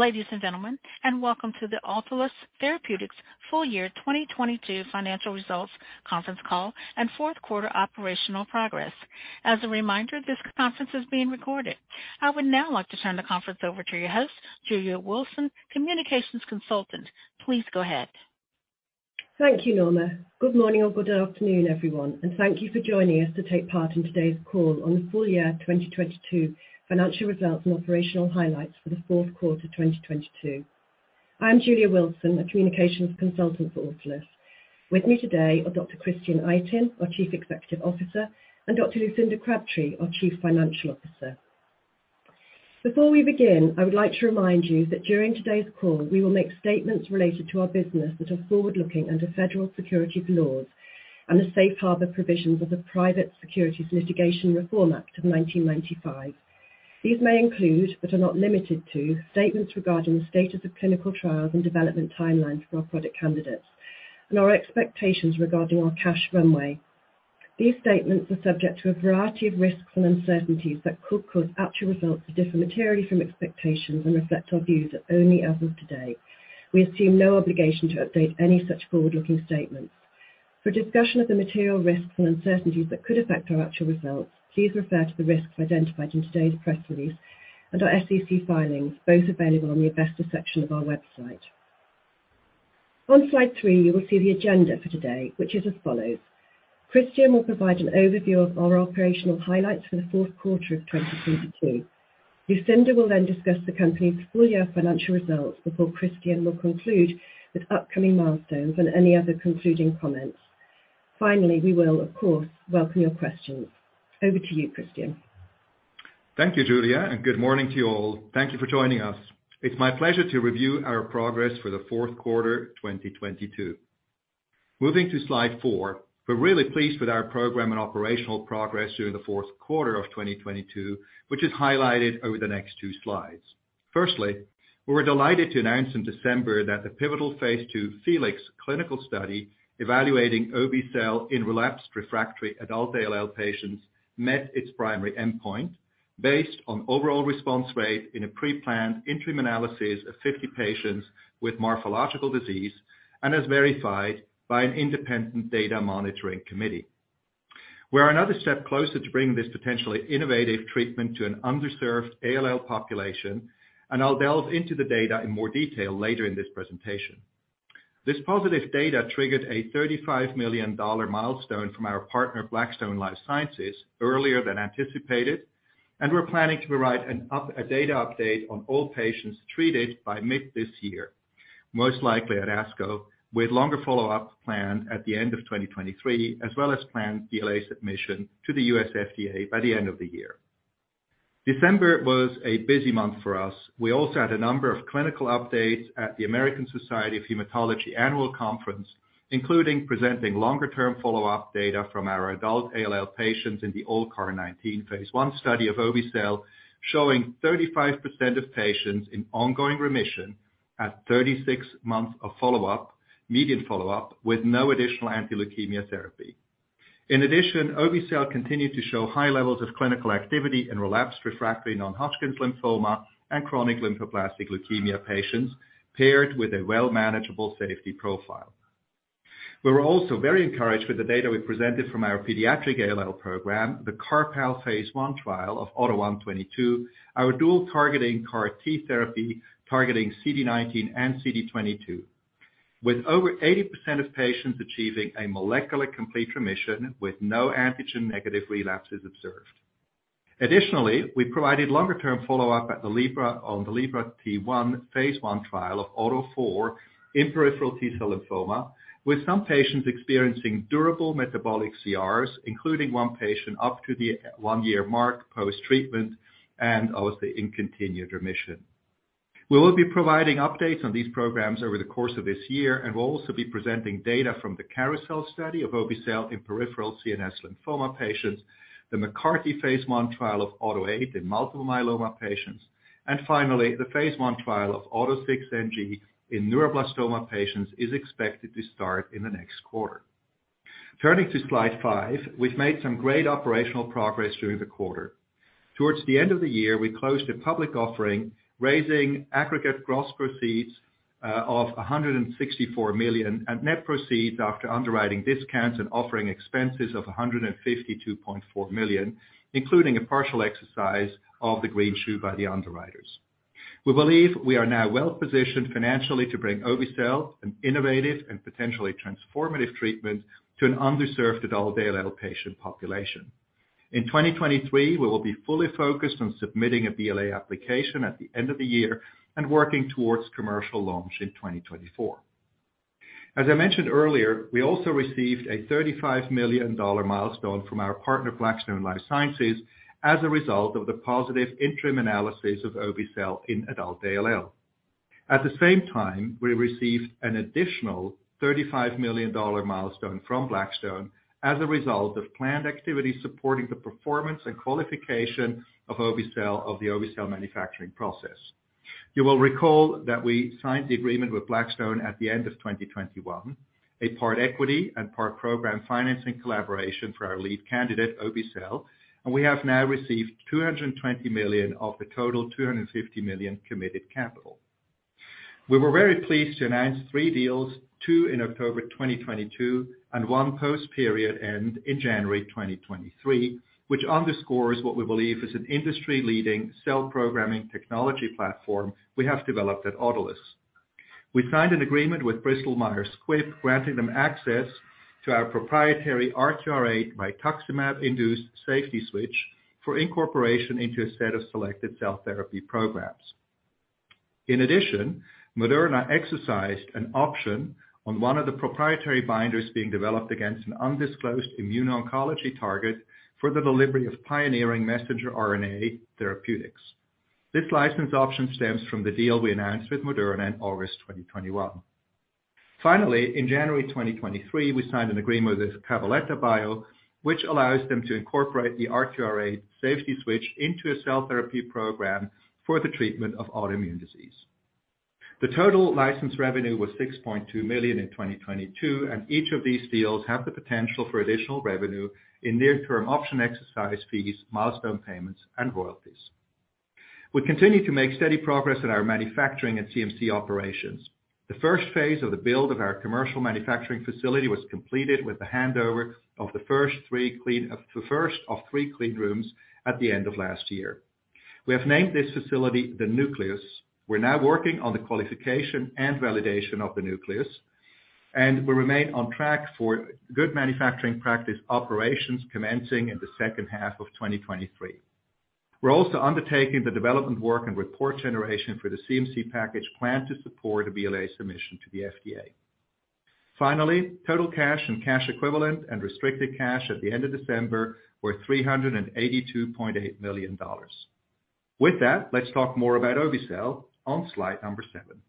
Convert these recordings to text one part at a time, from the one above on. Ladies and gentlemen, welcome to the Autolus Therapeutics full year 2022 financial results conference call and fourth quarter operational progress. As a reminder, this conference is being recorded. I would now like to turn the conference over to your host, Julia Wilson, Communications Consultant. Please go ahead. Thank you, Norma. Good morning or good afternoon, everyone, thank you for joining us to take part in today's call on the full year 2022 financial results and operational highlights for the fourth quarter 2022. I'm Julia Wilson, a communications consultant for Autolus. With me today are Dr. Christian Itin, our Chief Executive Officer, and Dr. Lucinda Crabtree, our Chief Financial Officer. Before we begin, I would like to remind you that during today's call, we will make statements related to our business that are forward-looking under federal securities laws and the safe harbor provisions of the Private Securities Litigation Reform Act of 1995. These may include, but are not limited to, statements regarding the status of clinical trials and development timelines for our product candidates and our expectations regarding our cash runway. These statements are subject to a variety of risks and uncertainties that could cause actual results to differ materially from expectations and reflect our views at only as of today. We assume no obligation to update any such forward-looking statements. For discussion of the material risks and uncertainties that could affect our actual results, please refer to the risks identified in today's press release and our SEC filings, both available on the investor section of our website. On slide three, you will see the agenda for today, which is as follows. Christian will provide an overview of our operational highlights for the fourth quarter of 2022. Lucinda will then discuss the company's full year financial results before Christian will conclude with upcoming milestones and any other concluding comments. Finally, we will, of course, welcome your questions. Over to you, Christian. Thank you, Julia. Good morning to you all. Thank you for joining us. It's my pleasure to review our progress for the fourth quarter 2022. Moving to slide four, we're really pleased with our program and operational progress during the fourth quarter of 2022, which is highlighted over the next two slides. Firstly, we were delighted to announce in December that the pivotal phase 2 FELIX clinical study evaluating obe-cel in relapsed refractory adult ALL patients met its primary endpoint based on overall response rate in a pre-planned interim analysis of 50 patients with morphological disease and as verified by an independent data monitoring committee. We're another step closer to bringing this potentially innovative treatment to an underserved ALL population, and I'll delve into the data in more detail later in this presentation. This positive data triggered a $35 million milestone from our partner, Blackstone Life Sciences, earlier than anticipated, and we're planning to provide a data update on all patients treated by mid this year, most likely at ASCO, with longer follow-up planned at the end of 2023, as well as planned BLA submission to the U.S. FDA by the end of the year. December was a busy month for us. We also had a number of clinical updates at the American Society of Hematology Annual Conference, including presenting longer-term follow-up data from our adult ALL patients in the ALLCAR19 Phase 1 study of obe-cel, showing 35% of patients in ongoing remission at 36 months of follow-up, median follow-up, with no additional anti-leukemia therapy. In addition, obe-cel continued to show high levels of clinical activity in relapsed refractory Non-Hodgkin lymphoma and chronic lymphoblastic leukemia patients paired with a well-manageable safety profile. We were also very encouraged with the data we presented from our pediatric ALL program, the CARPALL Phase 1 trial of AUTO1/22, our dual targeting CAR-T therapy targeting CD19 and CD22, with over 80% of patients achieving a molecular complete remission with no antigen-negative relapses observed. Additionally, we provided longer-term follow-up on the LibrA T1 Phase 1 trial of AUTO4 in peripheral T-cell lymphoma, with some patients experiencing durable metabolic CRs, including one patient up to the one-year mark post-treatment and obviously in continued remission. We will be providing updates on these programs over the course of this year, and we'll also be presenting data from the CAROUSEL study of obe-cel in Primary CNS Lymphoma patients, the MCARTY Phase 1 trial of AUTO8 in multiple myeloma patients. Finally, the Phase 1 trial of AUTO6NG in neuroblastoma patients is expected to start in the next quarter. Turning to slide five, we've made some great operational progress during the quarter. Towards the end of the year, we closed a public offering, raising aggregate gross proceeds of $164 million and net proceeds after underwriting discounts and offering expenses of $152.4 million, including a partial exercise of the green shoe by the underwriters. We believe we are now well-positioned financially to bring obe-cel, an innovative and potentially transformative treatment, to an underserved adult ALL patient population. In 2023, we will be fully focused on submitting a BLA application at the end of the year and working towards commercial launch in 2024. As I mentioned earlier, we also received a $35 million milestone from our partner, Blackstone Life Sciences, as a result of the positive interim analysis of obe-cel in adult ALL. At the same time, we received an additional $35 million milestone from Blackstone as a result of planned activities supporting the performance and qualification of the obe-cel manufacturing process. You will recall that we signed the agreement with Blackstone at the end of 2021, a part equity and part program financing collaboration for our lead candidate, obe-cel. We have now received $220 million of the total $250 million committed capital. We were very pleased to announce three deals, two in October 2022 and one post-period end in January 2023, which underscores what we believe is an industry-leading cell programming technology platform we have developed at Autolus. We signed an agreement with Bristol Myers Squibb, granting them access to our proprietary ATRA mitoxantrone-induced safety switch for incorporation into a set of selected cell therapy programs. In addition, Moderna exercised an option on one of the proprietary binders being developed against an undisclosed immune oncology target for the delivery of pioneering messenger RNA therapeutics. This license option stems from the deal we announced with Moderna in August 2021. In January 2023, we signed an agreement with Cabaletta Bio, which allows them to incorporate the RTRA safety switch into a cell therapy program for the treatment of autoimmune disease. The total license revenue was $6.2 million in 2022. Each of these deals have the potential for additional revenue in near term option exercise fees, milestone payments, and royalties. We continue to make steady progress in our manufacturing and CMC operations. The first phase of the build of our commercial manufacturing facility was completed with the handover of the first of three clean rooms at the end of last year. We have named this facility the Nucleus. We're now working on the qualification and validation of the Nucleus, we remain on track for good manufacturing practice operations commencing in the second half of 2023. We're also undertaking the development work and report generation for the CMC package planned to support a BLA submission to the FDA. Finally, total cash and cash equivalent and restricted cash at the end of December were $382.8 million. With that, let's talk more about obe-cel on slide number seven.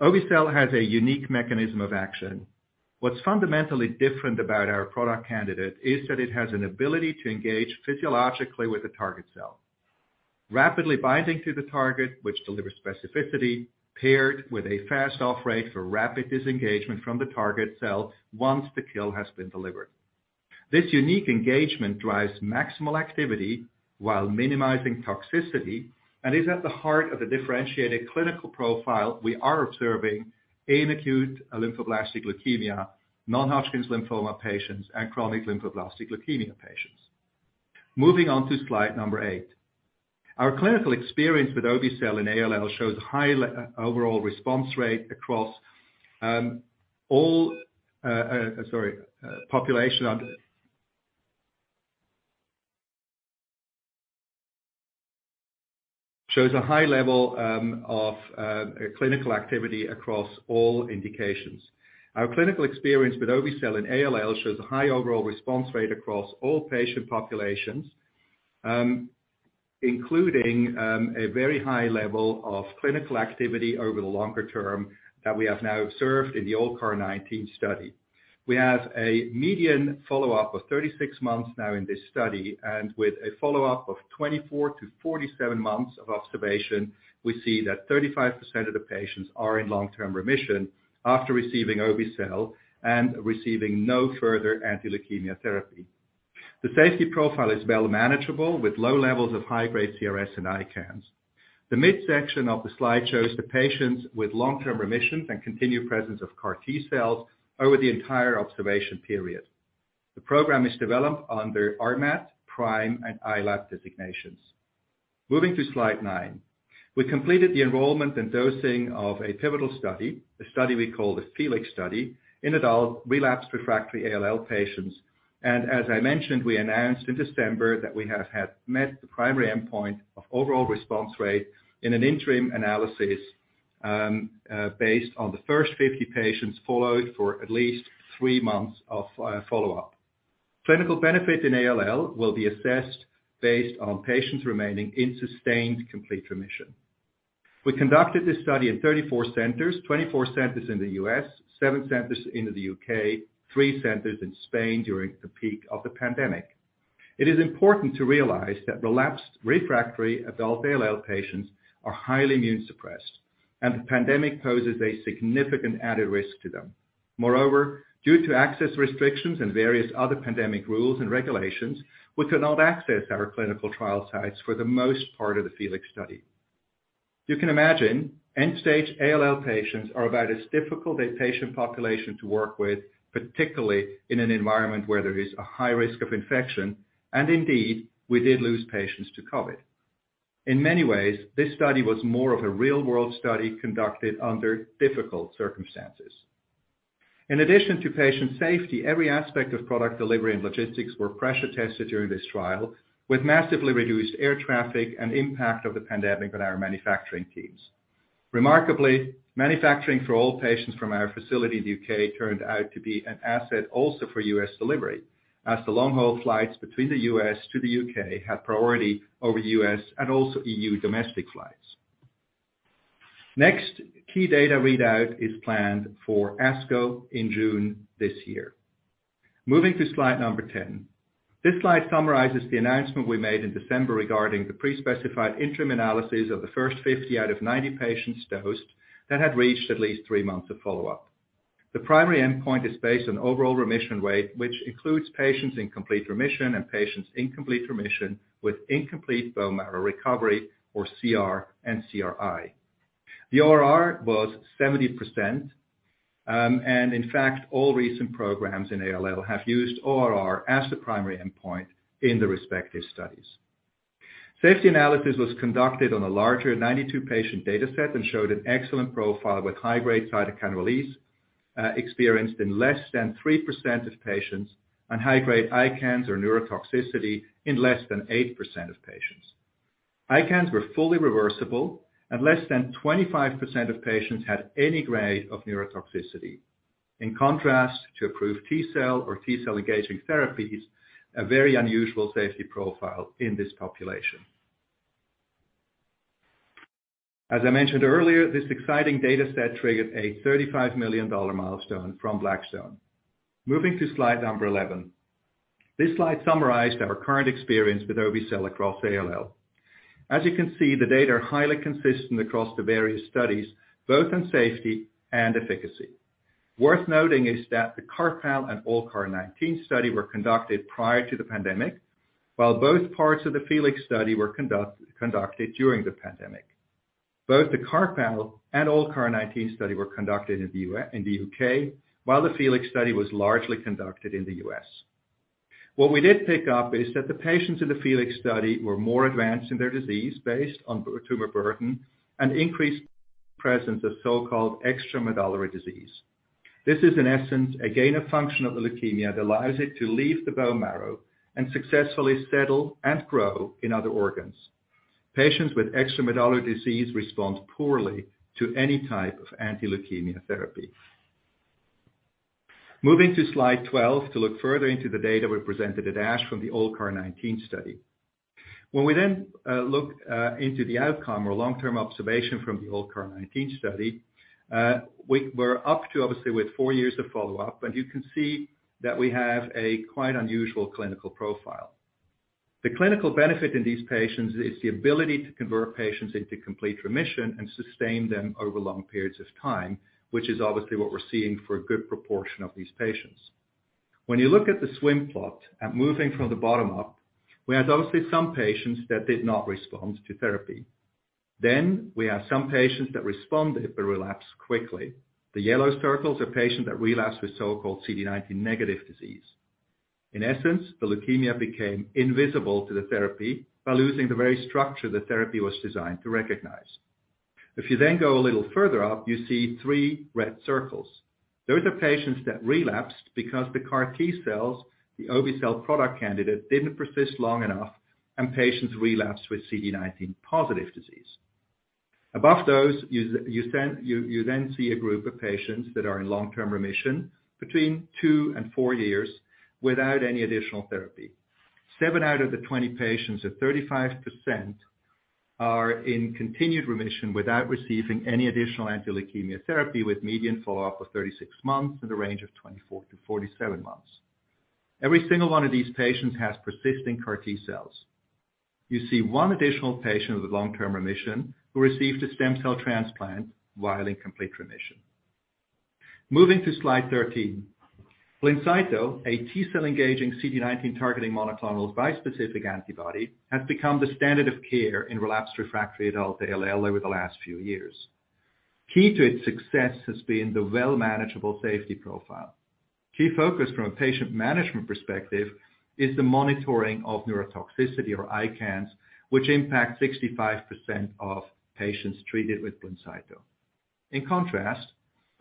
Obe-cel has a unique mechanism of action. What's fundamentally different about our product candidate is that it has an ability to engage physiologically with the target cell, rapidly binding to the target, which delivers specificity paired with a fast off rate for rapid disengagement from the target cell once the kill has been delivered. This unique engagement drives maximal activity while minimizing toxicity and is at the heart of the differentiated clinical profile we are observing in acute lymphoblastic leukemia, non-Hodgkin lymphoma patients, and chronic lymphocytic leukemia patients. Moving on to slide number eight. Our clinical experience with obe-cel in ALL shows a high overall response rate across all patient populations, including a very high level of clinical activity over the longer term that we have now observed in the ALLCAR19 study. We have a median follow-up of 36 months now in this study. With a follow-up of 24-47 months of observation, we see that 35% of the patients are in long-term remission after receiving obe-cel and receiving no further anti-leukemia therapy. The safety profile is well manageable with low levels of high-grade CRS and ICANS. The midsection of the slide shows the patients with long-term remissions and continued presence of CAR T-cells over the entire observation period. The program is developed under RMAT, PRIME, and ILAP designations. Moving to slide nine. We completed the enrollment and dosing of a pivotal study, a study we call the FELIX study, in adult relapsed refractory ALL patients. As I mentioned, we announced in December that we have had met the primary endpoint of overall response rate in an interim analysis, based on the first 50 patients followed for at least three months of follow-up. Clinical benefit in ALL will be assessed based on patients remaining in sustained complete remission. We conducted this study in 34 centers, 24 centers in the U.S., seven centers in the U.K., three centers in Spain during the peak of the pandemic. It is important to realize that relapsed refractory adult ALL patients are highly immune suppressed, and the pandemic poses a significant added risk to them. Moreover, due to access restrictions and various other pandemic rules and regulations, we cannot access our clinical trial sites for the most part of the FELIX study. You can imagine end-stage A.L patients are about as difficult a patient population to work with, particularly in an environment where there is a high risk of infection, and indeed, we did lose patients to COVID. In many ways, this study was more of a real-world study conducted under difficult circumstances. In addition to patient safety, every aspect of product delivery and logistics were pressure tested during this trial with massively reduced air traffic and impact of the pandemic on our manufacturing teams. Remarkably, manufacturing for all patients from our facility in the U.K. turned out to be an asset also for U.S. delivery, as the long-haul flights between the U.S. to the U.K. had priority over U.S. and also EU domestic flights. Next key data readout is planned for ASCO in June this year. Moving to slide number 10. This slide summarizes the announcement we made in December regarding the pre-specified interim analysis of the first 50 out of 90 patients dosed that had reached at least three months of follow-up. The primary endpoint is based on overall remission rate, which includes patients in complete remission and patients in complete remission with incomplete bone marrow recovery or CR and CRI. The ORR was 70%, and in fact, all recent programs in ALL have used ORR as the primary endpoint in the respective studies. Safety analysis was conducted on a larger 92 patient data set and showed an excellent profile with high-grade cytokine release experienced in less than 3% of patients and high-grade ICANS or neurotoxicity in less than 8% of patients. ICANS were fully reversible and less than 25% of patients had any grade of neurotoxicity. In contrast to approved T-cell or T-cell engaging therapies, a very unusual safety profile in this population. As I mentioned earlier, this exciting data set triggered a $35 million milestone from Blackstone. Moving to slide number 11. This slide summarized our current experience with obe-cel across ALL. As you can see, the data are highly consistent across the various studies, both in safety and efficacy. Worth noting is that the CARPALL and ALLCAR19 study were conducted prior to the pandemic, while both parts of the FELIX study were conducted during the pandemic. Both the CARPALL and ALLCAR19 study were conducted in the U.K., while the FELIX study was largely conducted in the U.S. What we did pick up is that the patients in the FELIX study were more advanced in their disease based on tumor burden and increased presence of so-called extramedullary disease. This is, in essence, a gain of function of the leukemia that allows it to leave the bone marrow and successfully settle and grow in other organs. Patients with extramedullary disease respond poorly to any type of anti-leukemia therapy. Moving to slide 12 to look further into the data we presented at ASH from the ALLCAR19 study. When we then look into the outcome or long-term observation from the ALLCAR19 study, we're up to, obviously, with years of follow-up, and you can see that we have a quite unusual clinical profile. The clinical benefit in these patients is the ability to convert patients into complete remission and sustain them over long periods of time, which is obviously what we're seeing for a good proportion of these patients. You look at the swim plot and moving from the bottom up, we have obviously some patients that did not respond to therapy. We have some patients that responded but relapsed quickly. The yellow circles are patients that relapsed with so-called CD19 negative disease. In essence, the leukemia became invisible to the therapy by losing the very structure the therapy was designed to recognize. If you then go a little further up, you see three red circles. Those are patients that relapsed because the CAR T-cells, the obe-cel product candidate, didn't persist long enough, and patients relapsed with CD19 positive disease. Above those, you then see a group of patients that are in long-term remission between two and four years without any additional therapy. Seven out of the 20 patients, at 35%, are in continued remission without receiving any additional anti-leukemia therapy, with median follow-up of 36 months and a range of 24-47 months. Every single one of these patients has persisting CAR T-cells. You see one additional patient with long-term remission who received a stem cell transplant while in complete remission. Moving to slide 13. BLINCYTO, a T-cell engaging CD19 targeting monoclonal bispecific antibody, has become the standard of care in relapsed refractory adult ALL over the last few years. Key to its success has been the well manageable safety profile. Key focus from a patient management perspective is the monitoring of neurotoxicity, or ICANS, which impact 65% of patients treated with BLINCYTO. In contrast,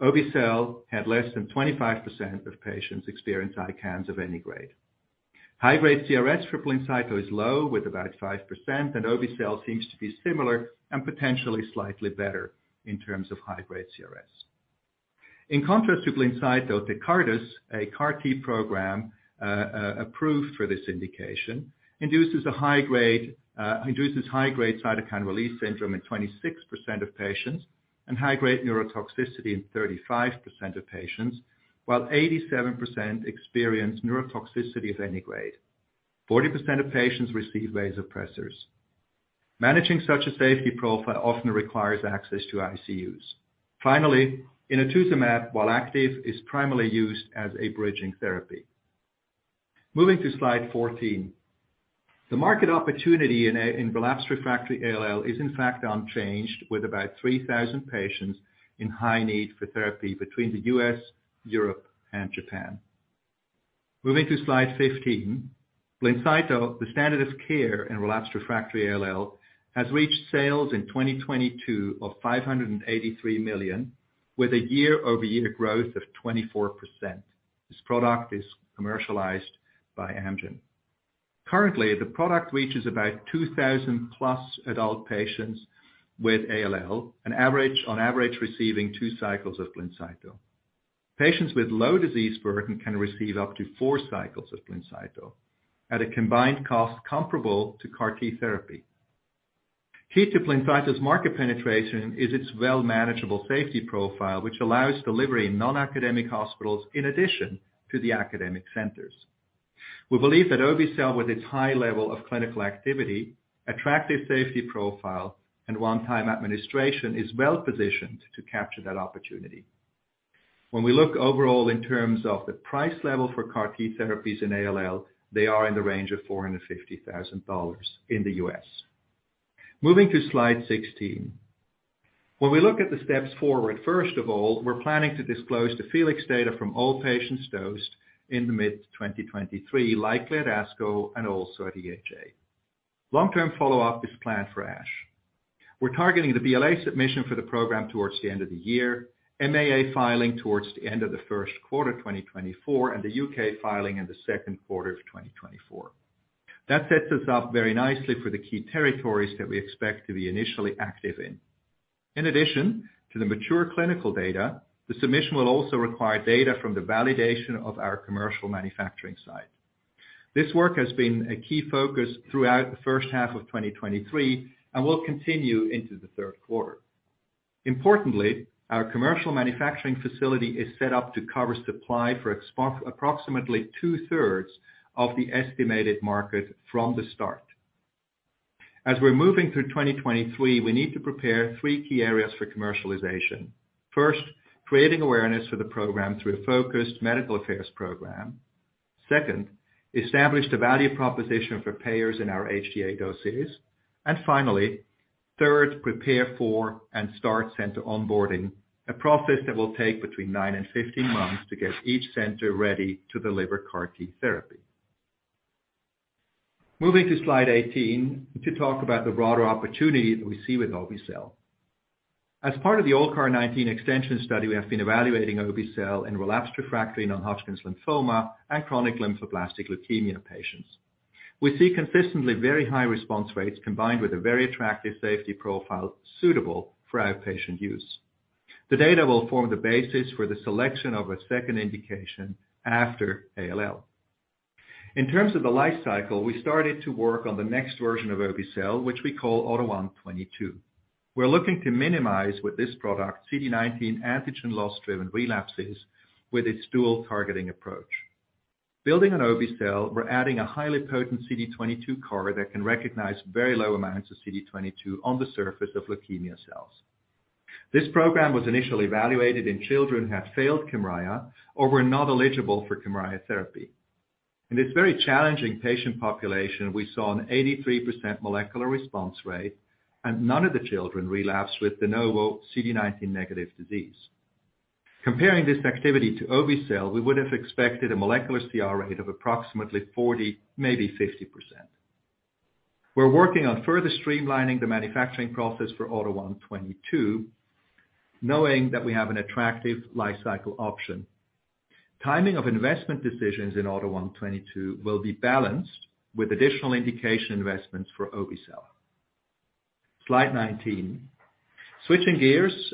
obe-cel had less than 25% of patients experience ICANS of any grade. High-grade CRS for BLINCYTO is low, with about 5%, and obe-cel seems to be similar and potentially slightly better in terms of high-grade CRS. In contrast to BLINCYTO, TECARTUS, a CAR-T program, approved for this indication, induces high-grade cytokine release syndrome in 26% of patients and high-grade neurotoxicity in 35% of patients, while 87% experience neurotoxicity of any grade. 40% of patients receive vasopressors. Managing such a safety profile often requires access to ICUs. Inotuzumab, while active, is primarily used as a bridging therapy. Moving to slide 14. The market opportunity in relapsed refractory ALL is in fact unchanged, with about 3,000 patients in high need for therapy between the U.S., Europe, and Japan. Moving to slide 15. Blincyto, the standard of care in relapsed refractory ALL, has reached sales in 2022 of $583 million, with a year-over-year growth of 24%. This product is commercialized by Amgen. Currently, the product reaches about 2,000+ adult patients with ALL, on average, receiving two cycles of Blincyto. Patients with low disease burden can receive up to four cycles of Blincyto at a combined cost comparable to CAR-T therapy. Key to Blincyto's market penetration is its well manageable safety profile, which allows delivery in non-academic hospitals in addition to the academic centers. We believe that obe-cel, with its high level of clinical activity, attractive safety profile, and one-time administration, is well positioned to capture that opportunity. When we look overall in terms of the price level for CAR therapies in ALL, they are in the range of $450,000 in the U.S.. Moving to slide 16. When we look at the steps forward, first of all, we're planning to disclose the FELIX data from all patients dosed in the mid-2023, likely at ASCO and also at EHA. Long-term follow-up is planned for ASH. We're targeting the BLA submission for the program towards the end of the year, MAA filing towards the end of the first quarter 2024, and the U.K. filing in the second quarter of 2024. That sets us up very nicely for the key territories that we expect to be initially active in. In addition to the mature clinical data, the submission will also require data from the validation of our commercial manufacturing site. This work has been a key focus throughout the first half of 2023 and will continue into the third quarter. Importantly, our commercial manufacturing facility is set up to cover supply for approximately 2/3 of the estimated market from the start. We're moving through 2023, we need to prepare three key areas for commercialization. First, creating awareness for the program through a focused medical affairs program. Second, establish the value proposition for payers in our HTA dossiers. Finally, third, prepare for and start center onboarding, a process that will take between nine and 15 months to get each center ready to deliver CAR-T therapy. Moving to slide 18 to talk about the broader opportunity that we see with obe-cel. Part of the ALLCAR19 extension study, we have been evaluating obe-cel in relapsed refractory non-Hodgkin lymphoma and chronic lymphocytic leukemia patients. We see consistently very high response rates combined with a very attractive safety profile suitable for outpatient use. The data will form the basis for the selection of a second indication after ALL. In terms of the life cycle, we started to work on the next version of obe-cel, which we call AUTO1/22. We're looking to minimize with this product CD19 antigen loss-driven relapses with its dual targeting approach. Building on obe-cel, we're adding a highly potent CD22 CAR that can recognize very low amounts of CD22 on the surface of leukemia cells. This program was initially evaluated in children who had failed KYMRIAH or were not eligible for KYMRIAH therapy. In this very challenging patient population, we saw an 83% molecular response rate, and none of the children relapsed with de novo CD19 negative disease. Comparing this activity to obe-cel, we would have expected a molecular CR rate of approximately 40%, maybe 50%. We're working on further streamlining the manufacturing process for AUTO1/22, knowing that we have an attractive life cycle option. Timing of investment decisions in AUTO1/22 will be balanced with additional indication investments for obe-cel. Slide 19. Switching gears,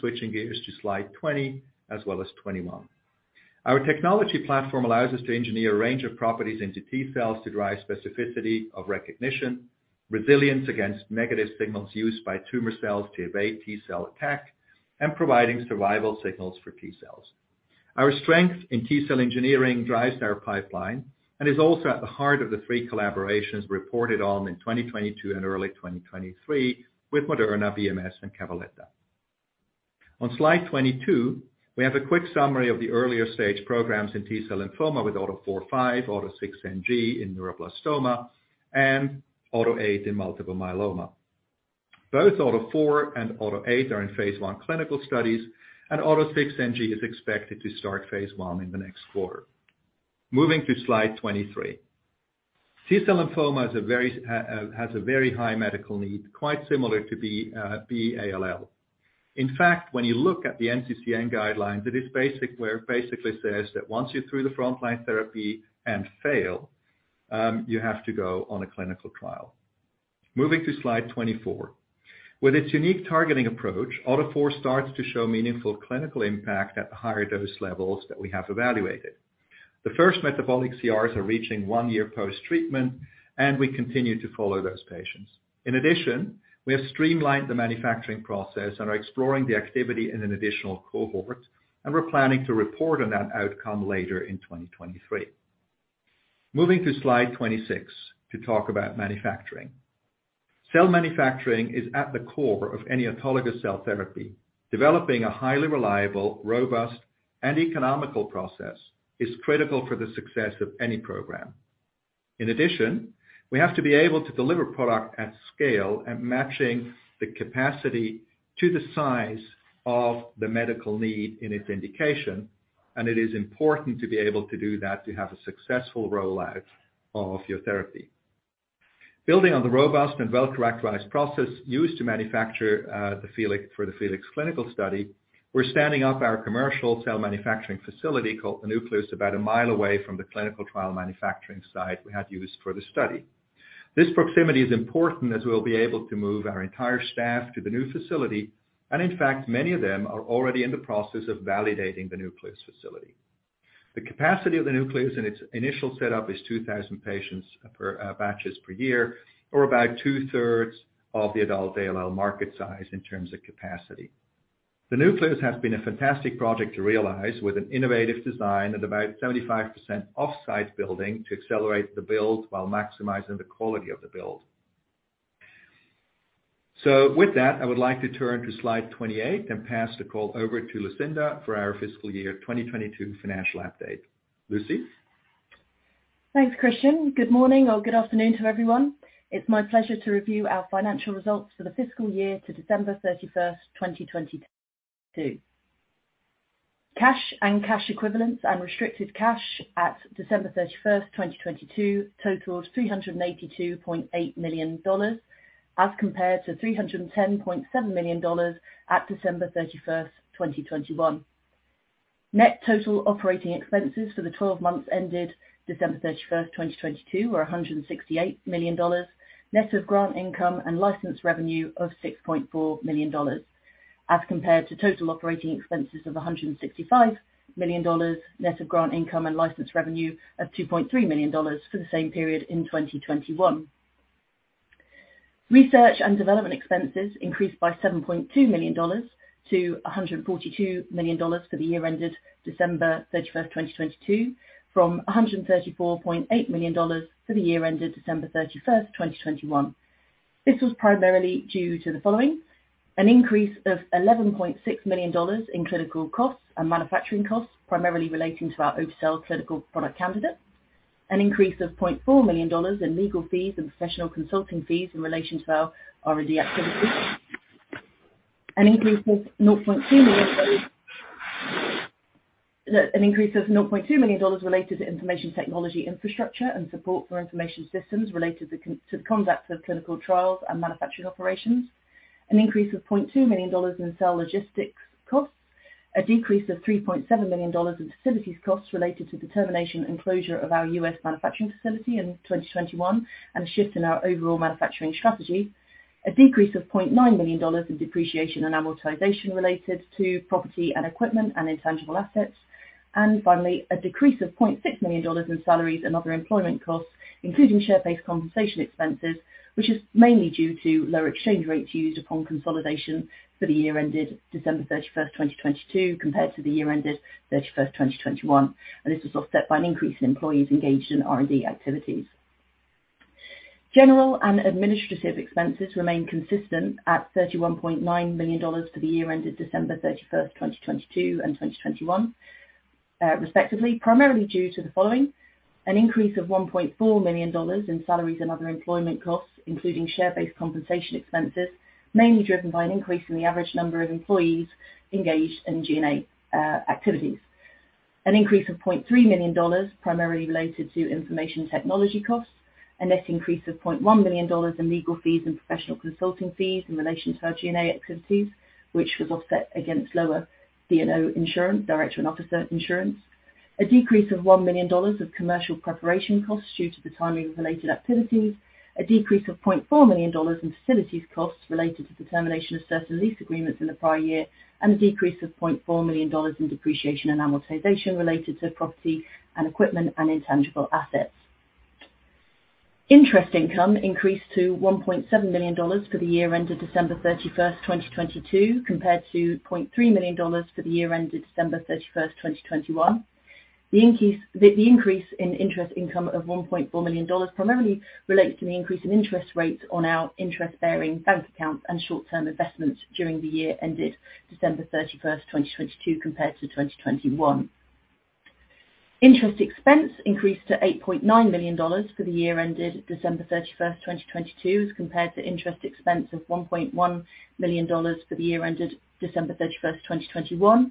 switching gears to slide 20 as well as 21. Our technology platform allows us to engineer a range of properties into T-cells to drive specificity of recognition, resilience against negative signals used by tumor cells to evade T-cell attack, and providing survival signals for T- cells. Our strength in T-cell engineering drives our pipeline and is also at the heart of the three collaborations reported on in 2022 and early 2023 with Moderna, BMS, and Cabaletta Bio. On slide 22, we have a quick summary of the earlier stage programs in T-cell lymphoma with AUTO4/5, AUTO6NG in neuroblastoma, and AUTO8 in multiple myeloma. Both AUTO4 and AUTO8 are in phase 1 clinical studies, and AUTO6NG is expected to start phase 1 in the next quarter. Moving to slide 23. T-cel lymphoma is a very high medical need, quite similar to B-ALL. In fact, when you look at the NCCN guidelines, it is basic where basically says that once you're through the frontline therapy and fail, you have to go on a clinical trial. Moving to slide 24. With its unique targeting approach, AUTO4 starts to show meaningful clinical impact at the higher dose levels that we have evaluated. The first metabolic CRs are reaching one year post-treatment, and we continue to follow those patients. We have streamlined the manufacturing process and are exploring the activity in an additional cohort. We're planning to report on that outcome later in 2023. Moving to slide 26 to talk about manufacturing. Cell manufacturing is at the core of any autologous cell therapy. Developing a highly reliable, robust, and economical process is critical for the success of any program. We have to be able to deliver product at scale and matching the capacity to the size of the medical need in its indication. It is important to be able to do that to have a successful rollout of your therapy. Building on the robust and well-characterized process used to manufacture the FELIX, for the FELIX clinical study, we're standing up our commercial cell manufacturing facility called The Nucleus, about one mi away from the clinical trial manufacturing site we had used for the study. This proximity is important as we'll be able to move our entire staff to the new facility, in fact, many of them are already in the process of validating The Nucleus facility. The capacity of The Nucleus in its initial setup is 2,000 patients per batches per year, or about two-thirds of the adult ALL market size in terms of capacity. The Nucleus has been a fantastic project to realize with an innovative design at about 75% offsite building to accelerate the build while maximizing the quality of the build. With that, I would like to turn to slide 28 and pass the call over to Lucinda for our fiscal year 2022 financial update. Lucy. Thanks, Christian. Good morning or good afternoon to everyone. It's my pleasure to review our financial results for the fiscal year to December 31st, 2022. Cash and cash equivalents and restricted cash at December 31st, 2022 totaled $382.8 million as compared to $310.7 million at December 31st, 2021. Net total operating expenses for the 12 months ended December 31st, 2022 were $168 million, net of grant income and license revenue of $6.4 million. Compared to total operating expenses of $165 million, net of grant income and license revenue of $2.3 million for the same period in 2021. Research and development expenses increased by $7.2 million to $142 million for the year ended December 31, 2022, from $134.8 million for the year ended December 31, 2021. This was primarily due to the following: an increase of $11.6 million in clinical costs and manufacturing costs, primarily relating to our obe-cel clinical product candidates. An increase of $0.4 million in legal fees and professional consulting fees in relation to our R&D activities. An increase of $0.2 million related to information technology infrastructure and support for information systems related to the conduct of clinical trials and manufacturing operations. An increase of $0.2 million in cell logistics costs. A decrease of $3.7 million in facilities costs related to the termination and closure of our U.S. manufacturing facility in 2021, and a shift in our overall manufacturing strategy. A decrease of $0.9 million in depreciation and amortization related to property and equipment and intangible assets. Finally, a decrease of $0.6 million in salaries and other employment costs, including share-based compensation expenses, which is mainly due to lower exchange rates used upon consolidation for the year ended December 31, 2022, compared to the year ended 31, 2021. This was offset by an increase in employees engaged in R&D activities. General and administrative expenses remain consistent at $31.9 million for the year ended December 31, 2022 and 2021, respectively, primarily due to the following: an increase of $1.4 million in salaries and other employment costs, including share-based compensation expenses, mainly driven by an increase in the average number of employees engaged in G&A activities. An increase of $0.3 million, primarily related to information technology costs. A net increase of $0.1 million in legal fees and professional consulting fees in relation to our G&A activities, which was offset against lower D&O insurance, director and officer insurance. A decrease of $1 million of commercial preparation costs due to the timing of related activities. A decrease of $0.4 million in facilities costs related to the termination of certain lease agreements in the prior year, and a decrease of $0.4 million in depreciation and amortization related to property and equipment and intangible assets. Interest income increased to $1.7 million for the year ended December 31st, 2022, compared to $0.3 million for the year ended December 31st, 2021. The increase in interest income of $1.4 million primarily relates to the increase in interest rates on our interest-bearing bank accounts and short-term investments during the year ended December 31st, 2022, compared to 2021. Interest expense increased to $8.9 million for the year ended December 31st, 2022, as compared to interest expense of $1.1 million for the year ended December 31st, 2021.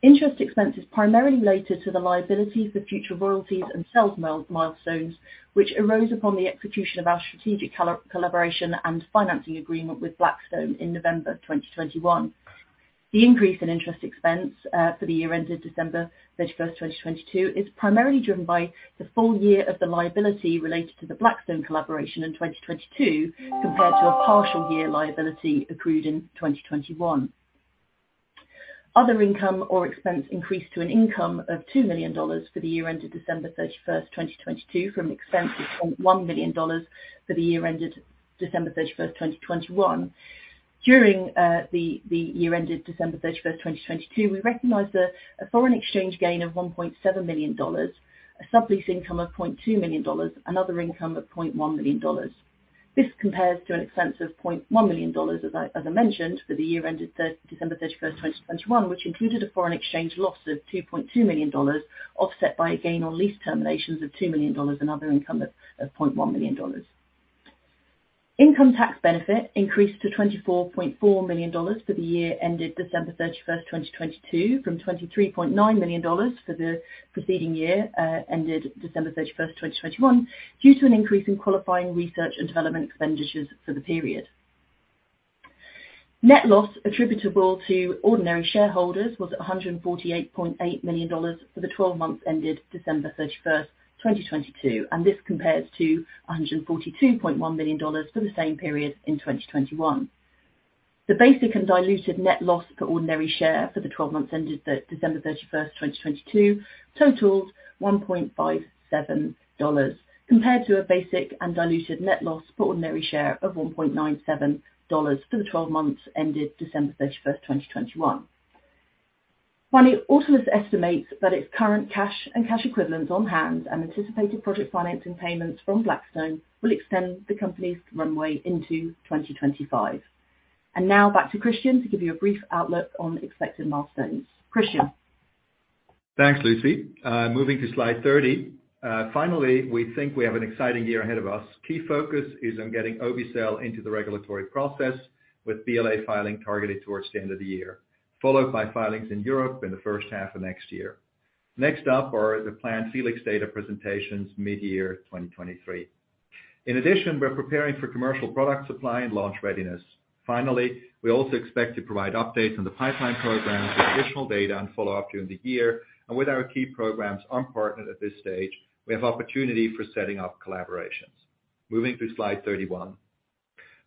Interest expense is primarily related to the liabilities of future royalties and sales milestones which arose upon the execution of our strategic collaboration and financing agreement with Blackstone in November 2021. The increase in interest expense for the year ended December 31st, 2022, is primarily driven by the full year of the liability related to the Blackstone collaboration in 2022 compared to a partial year liability accrued in 2021. Other income or expense increased to an income of $2 million for the year ended December 31st, 2022, from expense of $0.1 million for the year ended December 31st, 2021. During the year ended December 31st, 2022, we recognized a foreign exchange gain of $1.7 million, a sublease income of $0.2 million, and other income of $0.1 million. This compares to an expense of $0.1 million, as I mentioned, for the year ended December thirty-first, 2021, which included a foreign exchange loss of $2.2 million, offset by a gain on lease terminations of $2 million and other income of $0.1 million. Income tax benefit increased to $24.4 million for the year ended December thirty-first, 2022, from $23.9 million for the preceding year ended December thirty-first, 2021, due to an increase in qualifying research and development expenditures for the period. Net loss attributable to ordinary shareholders was $148.8 million for the 12 months ended December 31st, 2022. This compares to $142.1 million for the same period in 2021. The basic and diluted net loss per ordinary share for the 12 months ended December 31st, 2022, totals $1.57, compared to a basic and diluted net loss per ordinary share of $1.97 for the 12 months ended December 31st, 2021. Finally, Autolus estimates that its current cash and cash equivalents on hand and anticipated project financing payments from Blackstone will extend the company's runway into 2025. Now back to Christian to give you a brief outlook on expected milestones. Christian. Thanks, Lucy. Moving to slide 30. Finally, we think we have an exciting year ahead of us. Key focus is on getting obe-cel into the regulatory process with BLA filing targeted towards the end of the year, followed by filings in Europe in the first half of next year. Next up are the planned FELIX data presentations midyear 2023. In addition, we're preparing for commercial product supply and launch readiness. Finally, we also expect to provide updates on the pipeline programs with additional data and follow up during the year. With our key programs unpartnered at this stage, we have opportunity for setting up collaborations. Moving to slide 31.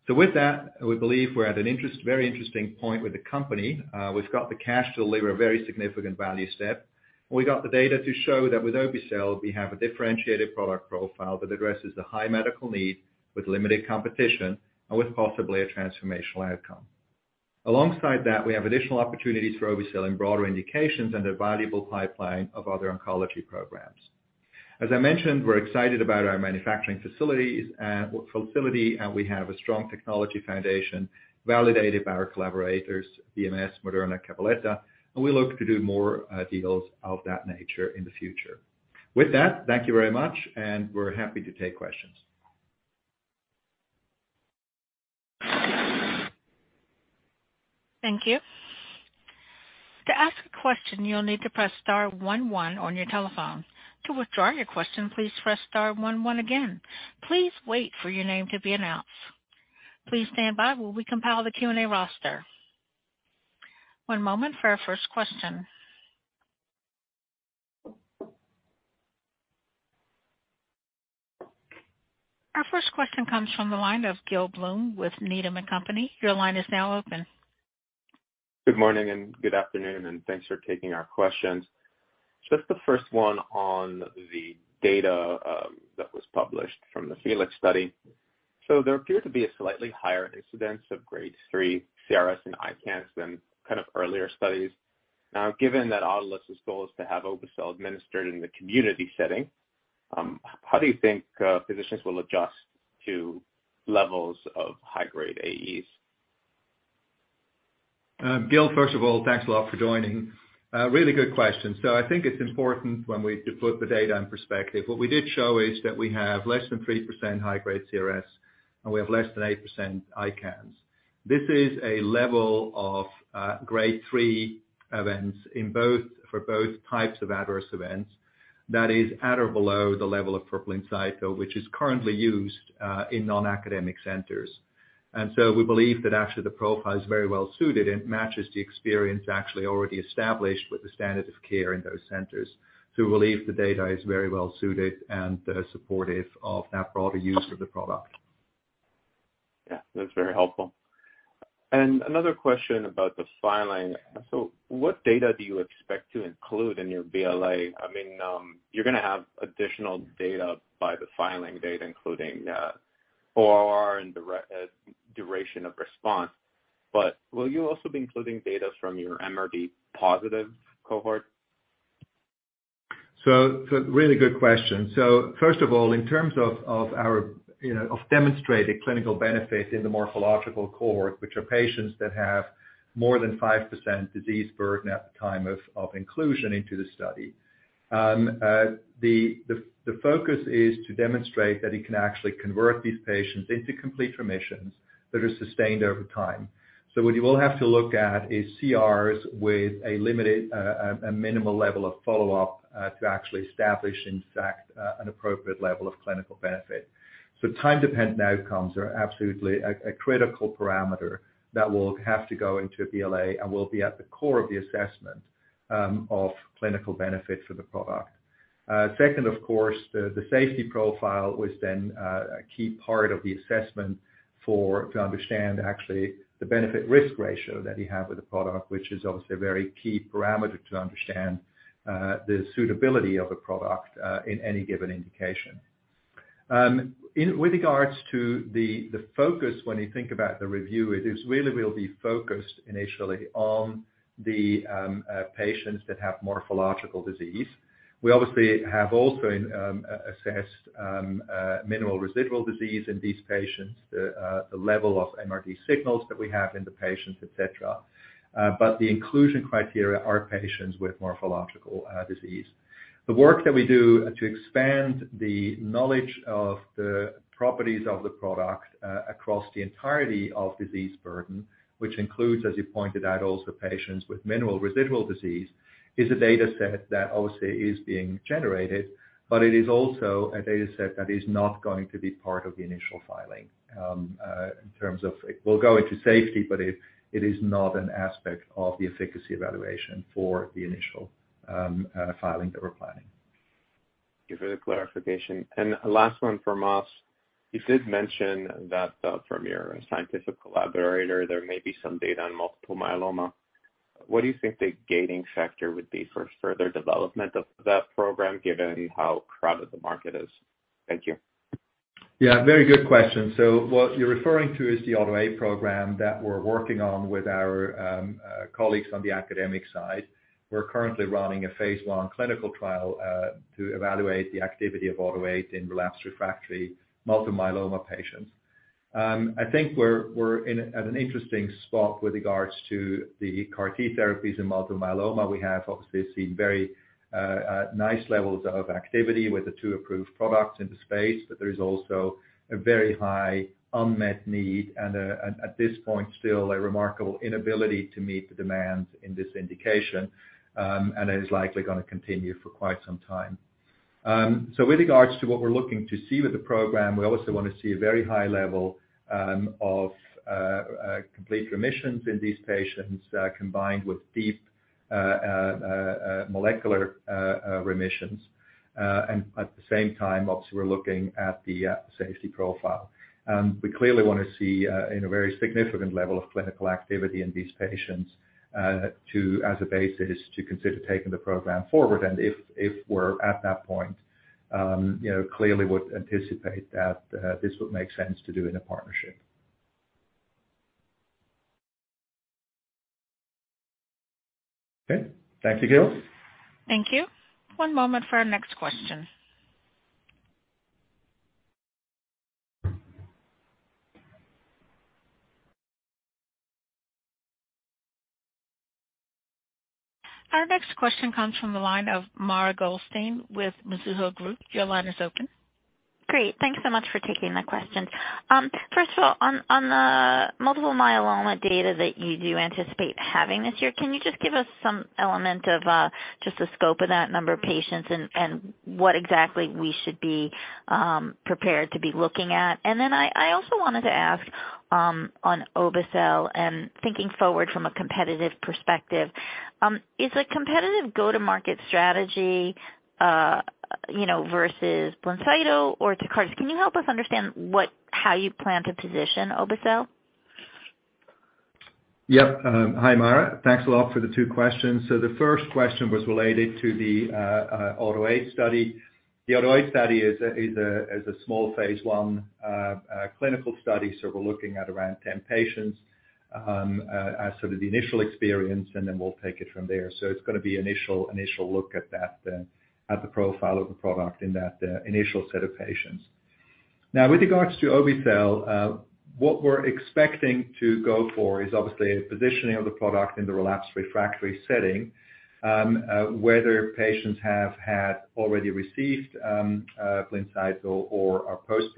With that, we believe we're at a very interesting point with the company. We've got the cash to deliver a very significant value step. We got the data to show that with obe-cel we have a differentiated product profile that addresses the high medical need with limited competition and with possibly a transformational outcome. Alongside that, we have additional opportunities for obe-cel and broader indications and a valuable pipeline of other oncology programs. As I mentioned, we're excited about our manufacturing facilities, facility, and we have a strong technology foundation validated by our collaborators BMS, Moderna, Cabaletta, and we look to do more deals of that nature in the future. With that, thank you very much, and we're happy to take questions. Thank you. To ask a question, you'll need to press star one one on your telephone. To withdraw your question, please press star one one again. Please wait for your name to be announced. Please stand by while we compile the Q&A roster. One moment for our first question. Our first question comes from the line of Gil Blum with Needham & Company. Your line is now open. Good morning and good afternoon, and thanks for taking our questions. Just the first one on the data, that was published from the FELIX study. There appeared to be a slightly higher incidence of grade three CRS and ICANS than kind of earlier studies. Given that Autolus's goal is to have obe-cel administered in the community setting, how do you think physicians will adjust to levels of high-grade AEs? Gil, first of all, thanks a lot for joining. A really good question. I think it's important when we put the data in perspective, what we did show is that we have less than 3% high-grade CRS and we have less than 8% ICANS. This is a level of grade three events for both types of adverse events that is at or below the level of BLINCYTO, which is currently used in non-academic centers. We believe that actually the profile is very well suited and matches the experience actually already established with the standard of care in those centers. We believe the data is very well suited and supportive of that broader use of the product. Yeah, that's very helpful. Another question about the filing. What data do you expect to include in your BLA? I mean, you're gonna have additional data by the filing date, including ORR and duration of response. Will you also be including data from your MRD positive cohort? Really good question. First of all, in terms of our, you know, of demonstrated clinical benefit in the morphological cohort, which are patients that have more than 5% disease burden at the time of inclusion into the study, the focus is to demonstrate that you can actually convert these patients into complete remissions that are sustained over time. What you will have to look at is CRs with a limited, a minimal level of follow-up, to actually establish in fact, an appropriate level of clinical benefit. Time dependent outcomes are absolutely a critical parameter that will have to go into BLA and will be at the core of the assessment, of clinical benefit for the product. Second, of course, the safety profile was then a key part of the assessment to understand actually the benefit risk ratio that you have with the product, which is obviously a very key parameter to understand the suitability of a product in any given indication. In with regards to the focus, when you think about the review, it is really will be focused initially on the patients that have morphological disease. We obviously have also assessed minimal residual disease in these patients, the level of MRD signals that we have in the patients, et cetera. The inclusion criteria are patients with morphological disease. The work that we do to expand the knowledge of the properties of the product, across the entirety of disease burden, which includes, as you pointed out, also patients with minimal residual disease, is a dataset that obviously is being generated. It is also a dataset that is not going to be part of the initial filing, in terms of it will go into safety. It is not an aspect of the efficacy evaluation for the initial filing that we're planning. Thank you for the clarification. Last one from us. You did mention that, from your scientific collaborator, there may be some data on multiple myeloma. What do you think the gating factor would be for further development of that program, given how crowded the market is? Thank you. Yeah, very good question. What you're referring to is the AUTO8 program that we're working on with our colleagues on the academic side. We're currently running a phase 1 clinical trial to evaluate the activity of AUTO8 in relapsed refractory multiple myeloma patients. I think we're at an interesting spot with regards to the CAR-T therapies in multiple myeloma. We have obviously seen very nice levels of activity with the two approved products in the space, but there is also a very high unmet need and at this point, still a remarkable inability to meet the demand in this indication, and is likely gonna continue for quite some time. With regards to what we're looking to see with the program, we obviously want to see a very high level of complete remissions in these patients, combined with deep molecular remissions. And at the same time, obviously, we're looking at the safety profile. We clearly want to see a very significant level of clinical activity in these patients, to as a basis to consider taking the program forward. And if we're at that point, you know, clearly would anticipate that this would make sense to do in a partnership. Okay. Thank you, Gil. Thank you. One moment for our next question. Our next question comes from the line of Mara Goldstein with Mizuho Group. Your line is open. Great. Thanks so much for taking my question. First of all, on the multiple myeloma data that you do anticipate having this year, can you just give us some element of just the scope of that number of patients and what exactly we should be prepared to be looking at? Then I also wanted to ask on obe-cel and thinking forward from a competitive perspective, is a competitive go-to-market strategy, you know, versus BLINCYTO or TECARTUS. Can you help us understand how you plan to position obe-cel? Yep. Hi, Mara. Thanks a lot for the two questions. The first question was related to the AUTO8 study. The AUTO8 study is a small phase 1 clinical study. We're looking at around 10 patients as sort of the initial experience, and then we'll take it from there. It's gonna be initial look at that, at the profile of the product in that initial set of patients. Now, with regards to obe-cel, what we're expecting to go for is obviously a positioning of the product in the relapsed refractory setting, whether patients have had already received Blincyto or are post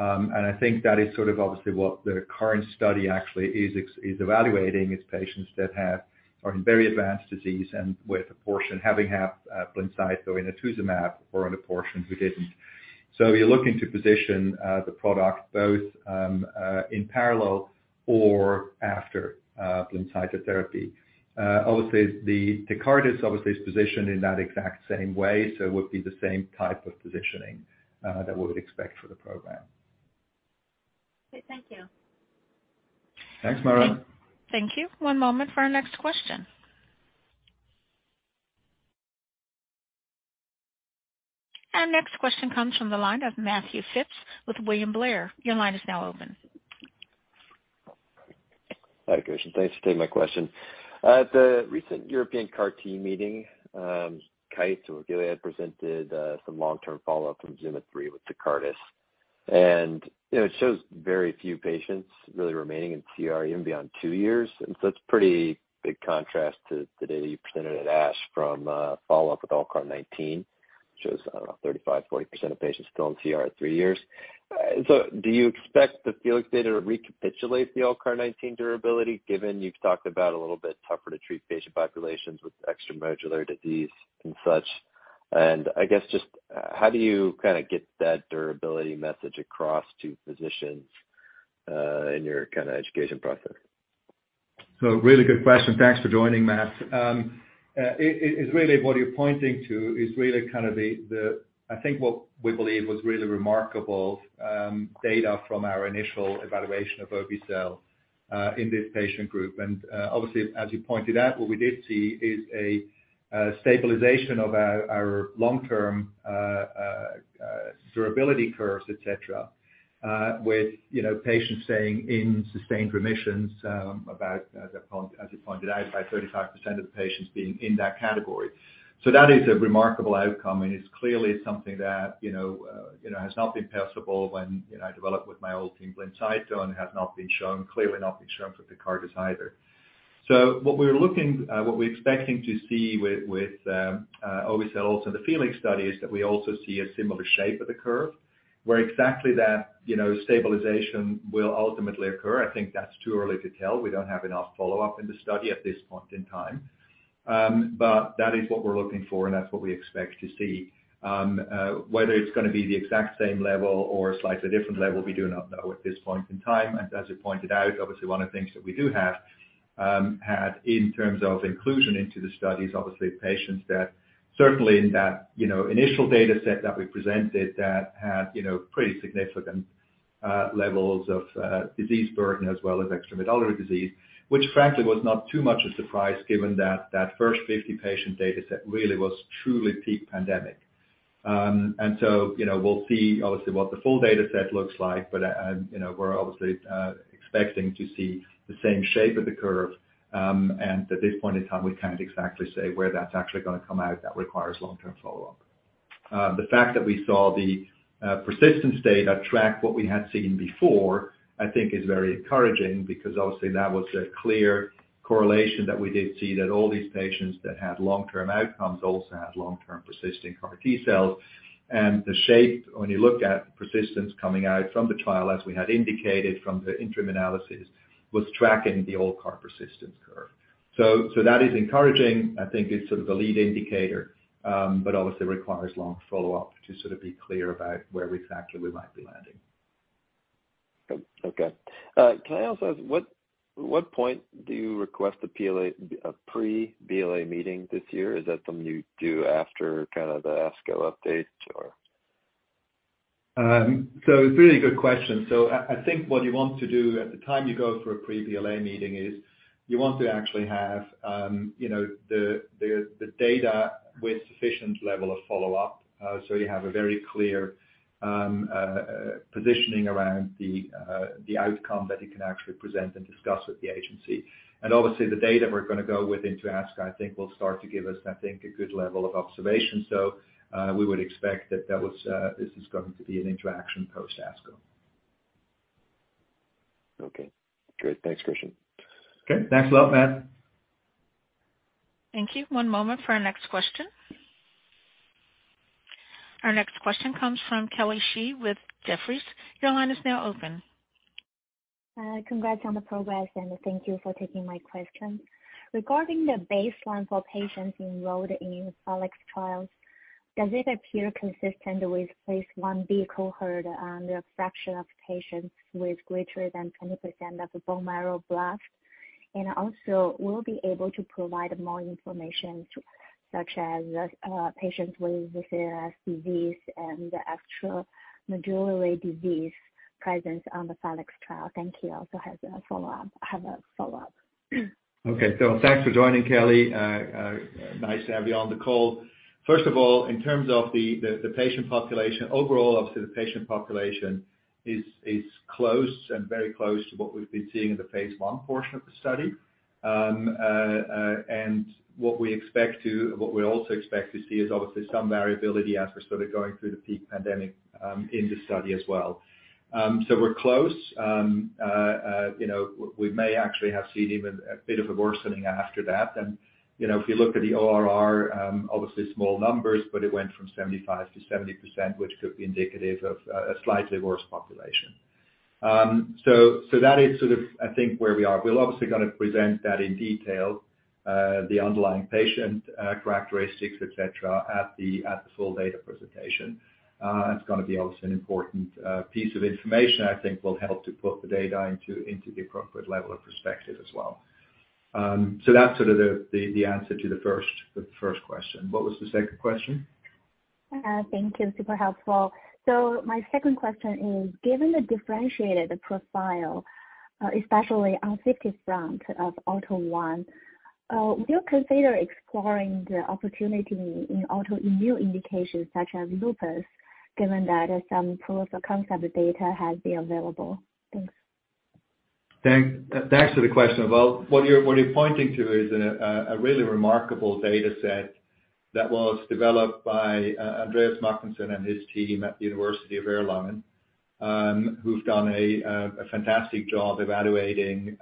Blincyto. I think that is sort of obviously what the current study actually is evaluating. It's patients that are in very advanced disease and with a portion having had BLINCYTO and Inotuzumab or on a portion who didn't. You're looking to position the product both in parallel or after BLINCYTO therapy. Obviously, the TECARTUS obviously is positioned in that exact same way. Would be the same type of positioning that we would expect for the program. Okay. Thank you. Thanks, Mara. Thank you. One moment for our next question. Our next question comes from the line of Matt Phipps with William Blair. Your line is now open. Hi, Gretchen. Thanks for taking my question. At the recent European CAR T-cell Meeting, Kite or Gilead presented some long-term follow-up from ZUMA-3 with TECARTUS, you know, it shows very few patients really remaining in CR even beyond 2 years. It's pretty big contrast to the data you presented at ASH from follow-up with ALLCAR19, which shows, I don't know, 35%, 40% of patients still in CR at three years. Do you expect the FELIX data to recapitulate the ALLCAR19 durability, given you've talked about a little bit tougher to treat patient populations with extramedullary disease and such? I guess just, how do you kinda get that durability message across to physicians in your kinda education process? Really good question. Thanks for joining, Matt. It is really what you're pointing to is really kind of the I think what we believe was really remarkable data from our initial evaluation of obe-cel in this patient group. Obviously, as you pointed out, what we did see is a stabilization of our long-term durability curves, et cetera, with, you know, patients staying in sustained remissions, about, as you pointed out, by 35% of the patients being in that category. That is a remarkable outcome, and it's clearly something that, you know, has not been possible when, you know, I developed with my old team BLINCYTO and has not been shown, clearly not been shown with TECARTUS either. What we're looking, what we're expecting to see with obe-cel also in the FELIX study is that we also see a similar shape of the curve where exactly that, you know, stabilization will ultimately occur. I think that's too early to tell. We don't have enough follow-up in the study at this point in time. That is what we're looking for, and that's what we expect to see. Whether it's gonna be the exact same level or a slightly different level, we do not know at this point in time. As you pointed out, obviously one of the things that we do have, had in terms of inclusion into the study is obviously patients that certainly in that, you know, initial data set that we presented that had, you know, pretty significant levels of disease burden as well as extramedullary disease, which frankly was not too much a surprise given that that first 50-patient dataset really was truly peak pandemic. You know, we'll see obviously what the full dataset looks like, but, you know, we're obviously expecting to see the same shape of the curve. At this point in time, we can't exactly say where that's actually gonna come out that requires long-term follow-up. The fact that we saw the persistent state attract what we had seen before, I think is very encouraging because obviously that was a clear correlation that we did see that all these patients that had long-term outcomes also had long-term persisting CAR T-cells. The shape, when you look at persistence coming out from the trial as we had indicated from the interim analysis, was tracking the old CAR persistence curve. That is encouraging. I think it's sort of the lead indicator, but obviously requires long follow-up to sort of be clear about where exactly we might be landing. Okay. Can I also ask, what point do you request a pre-BLA meeting this year? Is that something you do after kinda the ASCO update or? It's a really good question. I think what you want to do at the time you go for a pre-BLA meeting is you want to actually have, you know, the data with sufficient level of follow-up. You have a very clear positioning around the outcome that you can actually present and discuss with the agency. Obviously the data we're gonna go with into ASCO, I think will start to give us, I think, a good level of observation. We would expect that was this is going to be an interaction post ASCO. Okay, great. Thanks, Christian. Okay, thanks a lot, Matt. Thank you. One moment for our next question. Our next question comes from Kelly Shi with Jefferies. Your line is now open. Congrats on the progress. Thank you for taking my question. Regarding the baseline for patients enrolled in FELIX trials, does it appear consistent with phase 1B cohort, the fraction of patients with greater than 20% of the bone marrow blast? Will you be able to provide more information such as patients with disease and the actual medullary disease presence on the FELIX trial? Thank you. Also has a follow-up. I have a follow-up. Okay. Thanks for joining, Kelly. Nice to have you on the call. First of all, in terms of the patient population, overall obviously the patient population is close and very close to what we've been seeing in the phase 1 portion of the study. What we also expect to see is obviously some variability as we're sort of going through the peak pandemic in the study as well. We're close. You know, we may actually have seen even a bit of a worsening after that. You know, if you look at the ORR, obviously small numbers, but it went from 75% to 70%, which could be indicative of a slightly worse population. That is sort of, I think, where we are. We'll obviously gonna present that in detail, the underlying patient characteristics, et cetera, at the full data presentation. It's gonna be obviously an important piece of information I think will help to put the data into the appropriate level of perspective as well. That's sort of the answer to the first question. What was the second question? Thank you. Super helpful. My second question is, given the differentiated profile, especially on safety front of AUTO1, will you consider exploring the opportunity in autoimmune indications such as lupus, given that some proof of concept data has been available? Thanks. Thanks for the question. Well, what you're pointing to is a really remarkable dataset that was developed by Andreas Mackensen and his team at the University of Erlangen-Nuremberg, who've done a fantastic job evaluating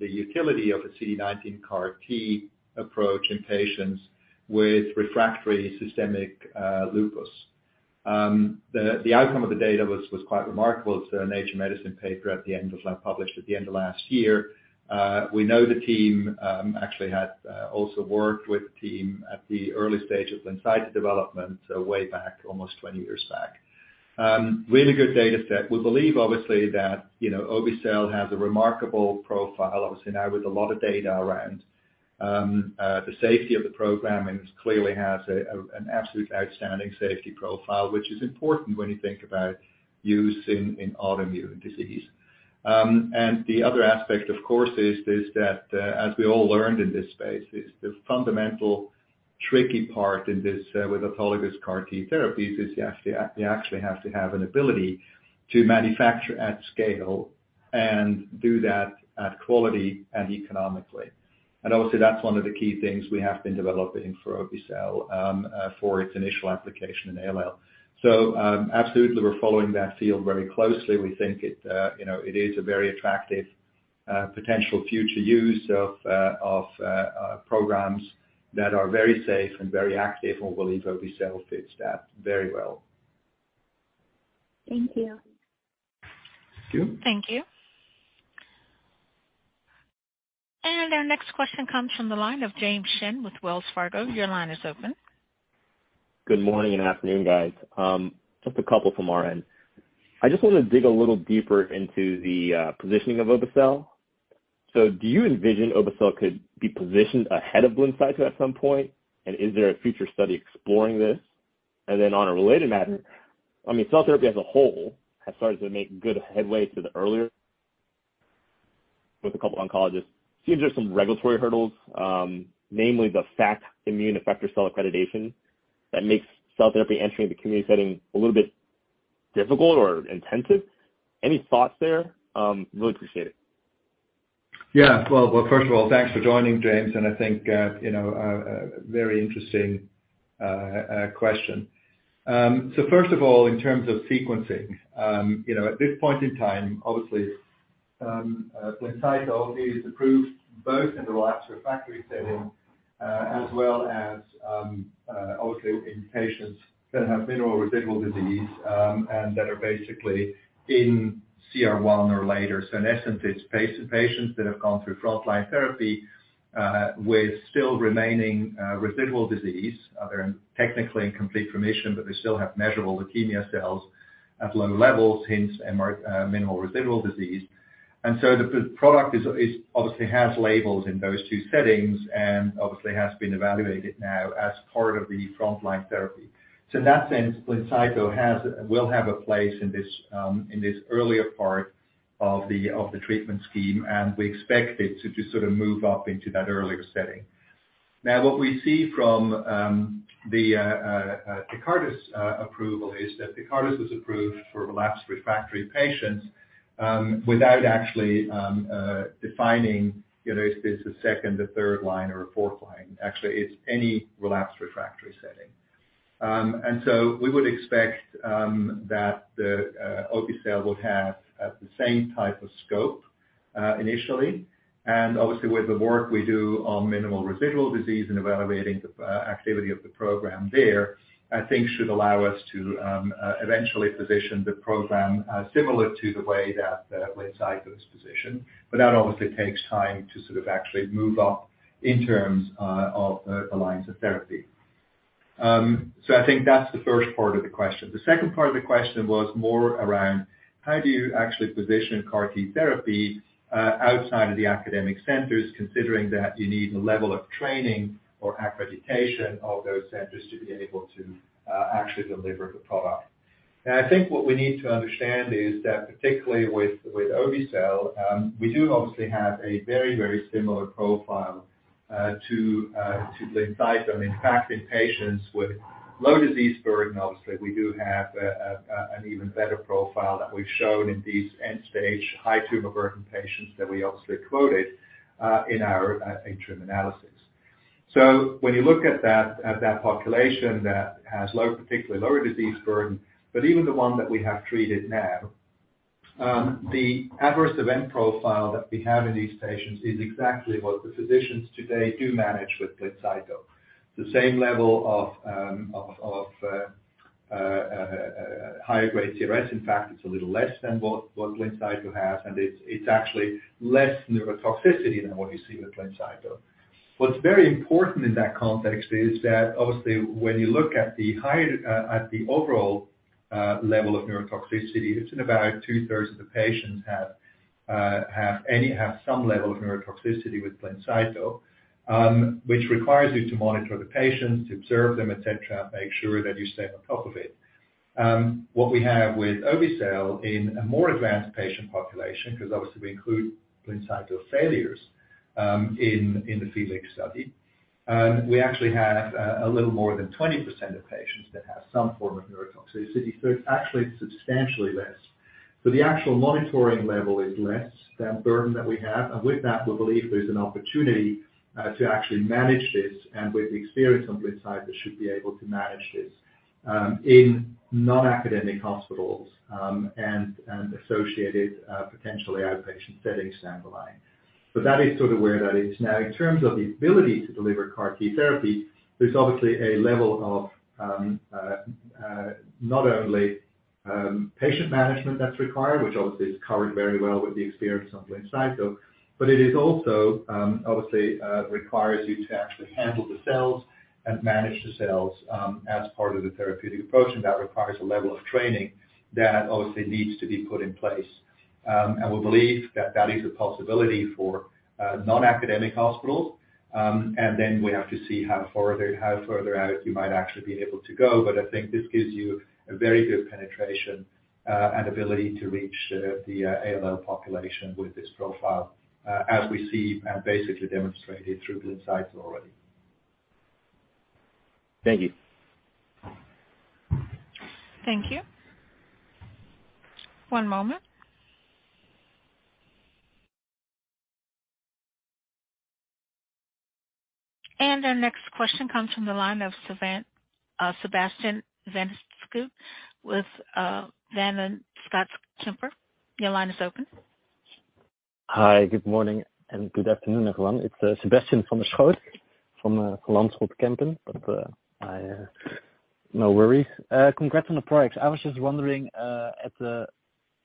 the utility of a C-nineteen CAR T approach in patients with refractory systemic lupus. The outcome of the data was quite remarkable. It's a Nature Medicine paper published at the end of last year. We know the team actually had also worked with the team at the early stages in site development, so way back, almost 20 years back. Really good dataset. We believe obviously that, you know, obe-cel has a remarkable profile, obviously now with a lot of data around the safety of the program and it clearly has an absolute outstanding safety profile, which is important when you think about use in autoimmune disease. The other aspect, of course, is that as we all learned in this space, is the fundamental tricky part in this with autologous CAR-T therapy is you actually have to have an ability to manufacture at scale and do that at quality and economically. Obviously, that's one of the key things we have been developing for obe-cel for its initial application in ALL. Absolutely, we're following that field very closely. We think it, you know, it is a very attractive potential future use of programs that are very safe and very active, and we believe obe-cel fits that very well. Thank you. Thank you. Thank you. Our next question comes from the line of James Shin with Wells Fargo. Your line is open. Good morning and afternoon, guys. Just a couple from our end. I just wanna dig a little deeper into the positioning of obe-cel. Do you envision obe-cel could be positioned ahead of BLINCYTO at some point? Is there a future study exploring this? On a related matter, I mean, cell therapy as a whole has started to make good headway to the earlier with a couple oncologists. Seems there's some regulatory hurdles, namely the fact immune effector cell accreditation that makes cell therapy entering the community setting a little bit difficult or intensive. Any thoughts there? Really appreciate it. Yeah. Well, well, first of all, thanks for joining, James, and I think, you know, very interesting question. First of all, in terms of sequencing, you know, at this point in time, obviously, BLINCYTO is approved both in the relapsed refractory setting, as well as, obviously in patients that have minimal residual disease, and that are basically in CR 1 or later. In essence, it's patients that have gone through frontline therapy, with still remaining residual disease. They're technically in complete remission, but they still have measurable leukemia cells at low levels, hence MR, minimal residual disease. The product is obviously has labels in those two settings and obviously has been evaluated now as part of the frontline therapy. In that sense, BLINCYTO has, will have a place in this earlier part of the treatment scheme, and we expect it to just sort of move up into that earlier setting. What we see from, the TECARTUS approval is that TECARTUS was approved for relapsed refractory patients, without actually defining, you know, is this a second or third line or a fourth line. Actually, it's any relapsed refractory setting. We would expect that the obe-cel will have the same type of scope initially. Obviously, with the work we do on minimal residual disease and evaluating the activity of the program there, I think should allow us to eventually position the program similar to the way that BLINCYTO is positioned. That obviously takes time to sort of actually move up in terms of the lines of therapy. I think that's the first part of the question. The second part of the question was more around how do you actually position CAR-T therapy outside of the academic centers, considering that you need a level of training or accreditation of those centers to be able to actually deliver the product. I think what we need to understand is that particularly with obe-cel, we do obviously have a very, very similar profile to BLINCYTO. In fact, in patients with low disease burden, obviously, we do have an even better profile that we've shown in these end-stage high tumor burden patients that we obviously quoted in our ATRIUM analysis. When you look at that, at that population that has low, particularly lower disease burden, but even the one that we have treated now, the adverse event profile that we have in these patients is exactly what the physicians today do manage with BLINCYTO. The same level of higher grade CRS. In fact, it's a little less than what BLINCYTO has, and it's actually less neurotoxicity than what you see with BLINCYTO. What's very important in that context is that obviously, when you look at the high, at the overall level of neurotoxicity, it's in about two-thirds of the patients have any, have some level of neurotoxicity with BLINCYTO, which requires you to monitor the patients, to observe them, et cetera, make sure that you stay on top of it. What we have with obe-cel in a more advanced patient population, because obviously we include BLINCYTO failures in the FELIX study, we actually have a little more than 20% of patients that have some form of neurotoxicity. It's actually substantially less. The actual monitoring level is less than the burden that we have. With that, we believe there's an opportunity to actually manage this and with the experience on BLINCYTO should be able to manage this in non-academic hospitals and associated potentially outpatient settings down the line. That is sort of where that is. In terms of the ability to deliver CAR-T therapy, there's obviously a level of not only patient management that's required, which obviously is covered very well with the experience on BLINCYTO, but it is also obviously requires you to actually handle the cells and manage the cells as part of the therapeutic approach, and that requires a level of training that obviously needs to be put in place. We believe that that is a possibility for non-academic hospitals. Then we have to see how further, how further out you might actually be able to go. I think this gives you a very good penetration and ability to reach the ALL population with this profile as we see and basically demonstrated through BLINCYTO already. Thank you. Thank you. One moment. Our next question comes from the line of Sebastiaan Van Schoot with Van Lanschot Kempen. Your line is open. Hi. Good morning, and good afternoon, everyone. It's Sebastiaan Van Schoot from Van Lanschot Kempen, no worries. Congrats on the products. I was just wondering at the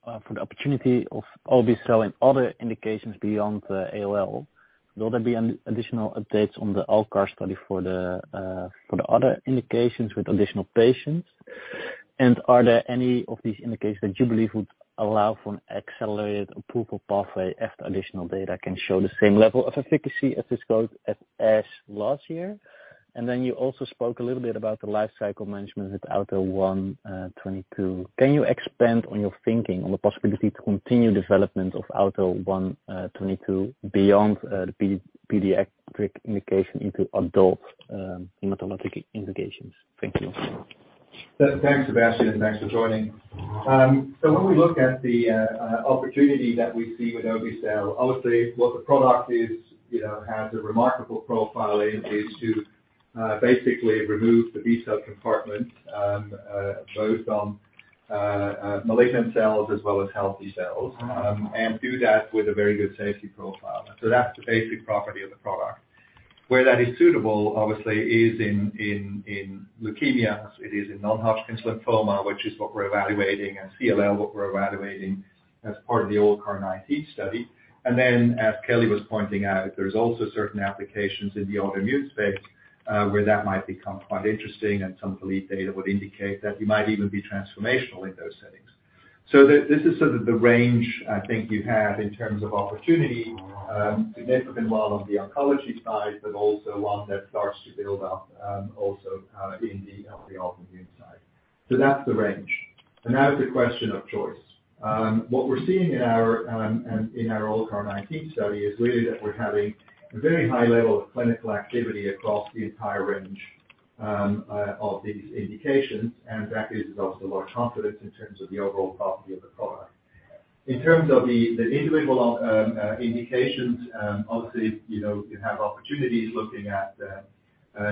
opportunity of obe-cel and other indications beyond the ALL. Will there be additional updates on the ALLCAR19 study for the other indications with additional patients? Are there any of these indications that you believe would allow for an accelerated approval pathway if the additional data can show the same level of efficacy as disclosed at ASH last year? You also spoke a little bit about the life cycle management with AUTO1/22. Can you expand on your thinking on the possibility to continue development of AUTO1/22 beyond the pediatric indication into adult hematologic indications? Thank you. Thanks, Sebastian, thanks for joining. So when we look at the opportunity that we see with obe-cel, obviously what the product is, you know, has a remarkable profile is to basically remove the B-cell compartment, both on malignant cells as well as healthy cells, and do that with a very good safety profile. That's the basic property of the product. Where that is suitable, obviously, is in leukemia, it is in non-Hodgkin lymphoma, which is what we're evaluating, and CLL, what we're evaluating as part of the ALLCAR19 study. Then as Kelly was pointing out, there's also certain applications in the autoimmune space, where that might become quite interesting, and some elite data would indicate that we might even be transformational in those settings. This is sort of the range I think you have in terms of opportunity, significant one on the oncology side, but also one that starts to build up in the, on the autoimmune side. That's the range. Now to the question of choice. What we're seeing in our in our ALLCAR19 study is really that we're having a very high level of clinical activity across the entire range of these indications. That gives us a lot of confidence in terms of the overall property of the product. In terms of the individual indications, obviously, you know, you have opportunities looking at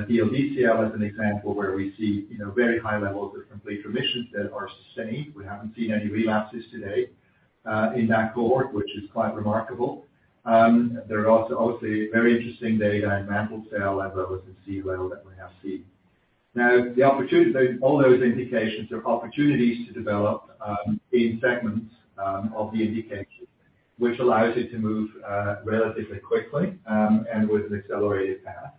DLBCL as an example where we see, you know, very high levels of complete remissions that are sustained. We haven't seen any relapses today, in that cohort, which is quite remarkable. There are also obviously very interesting data in mantle cell as well as in CLL that we have seen. All those indications are opportunities to develop in segments of the indication, which allows you to move relatively quickly and with an accelerated path.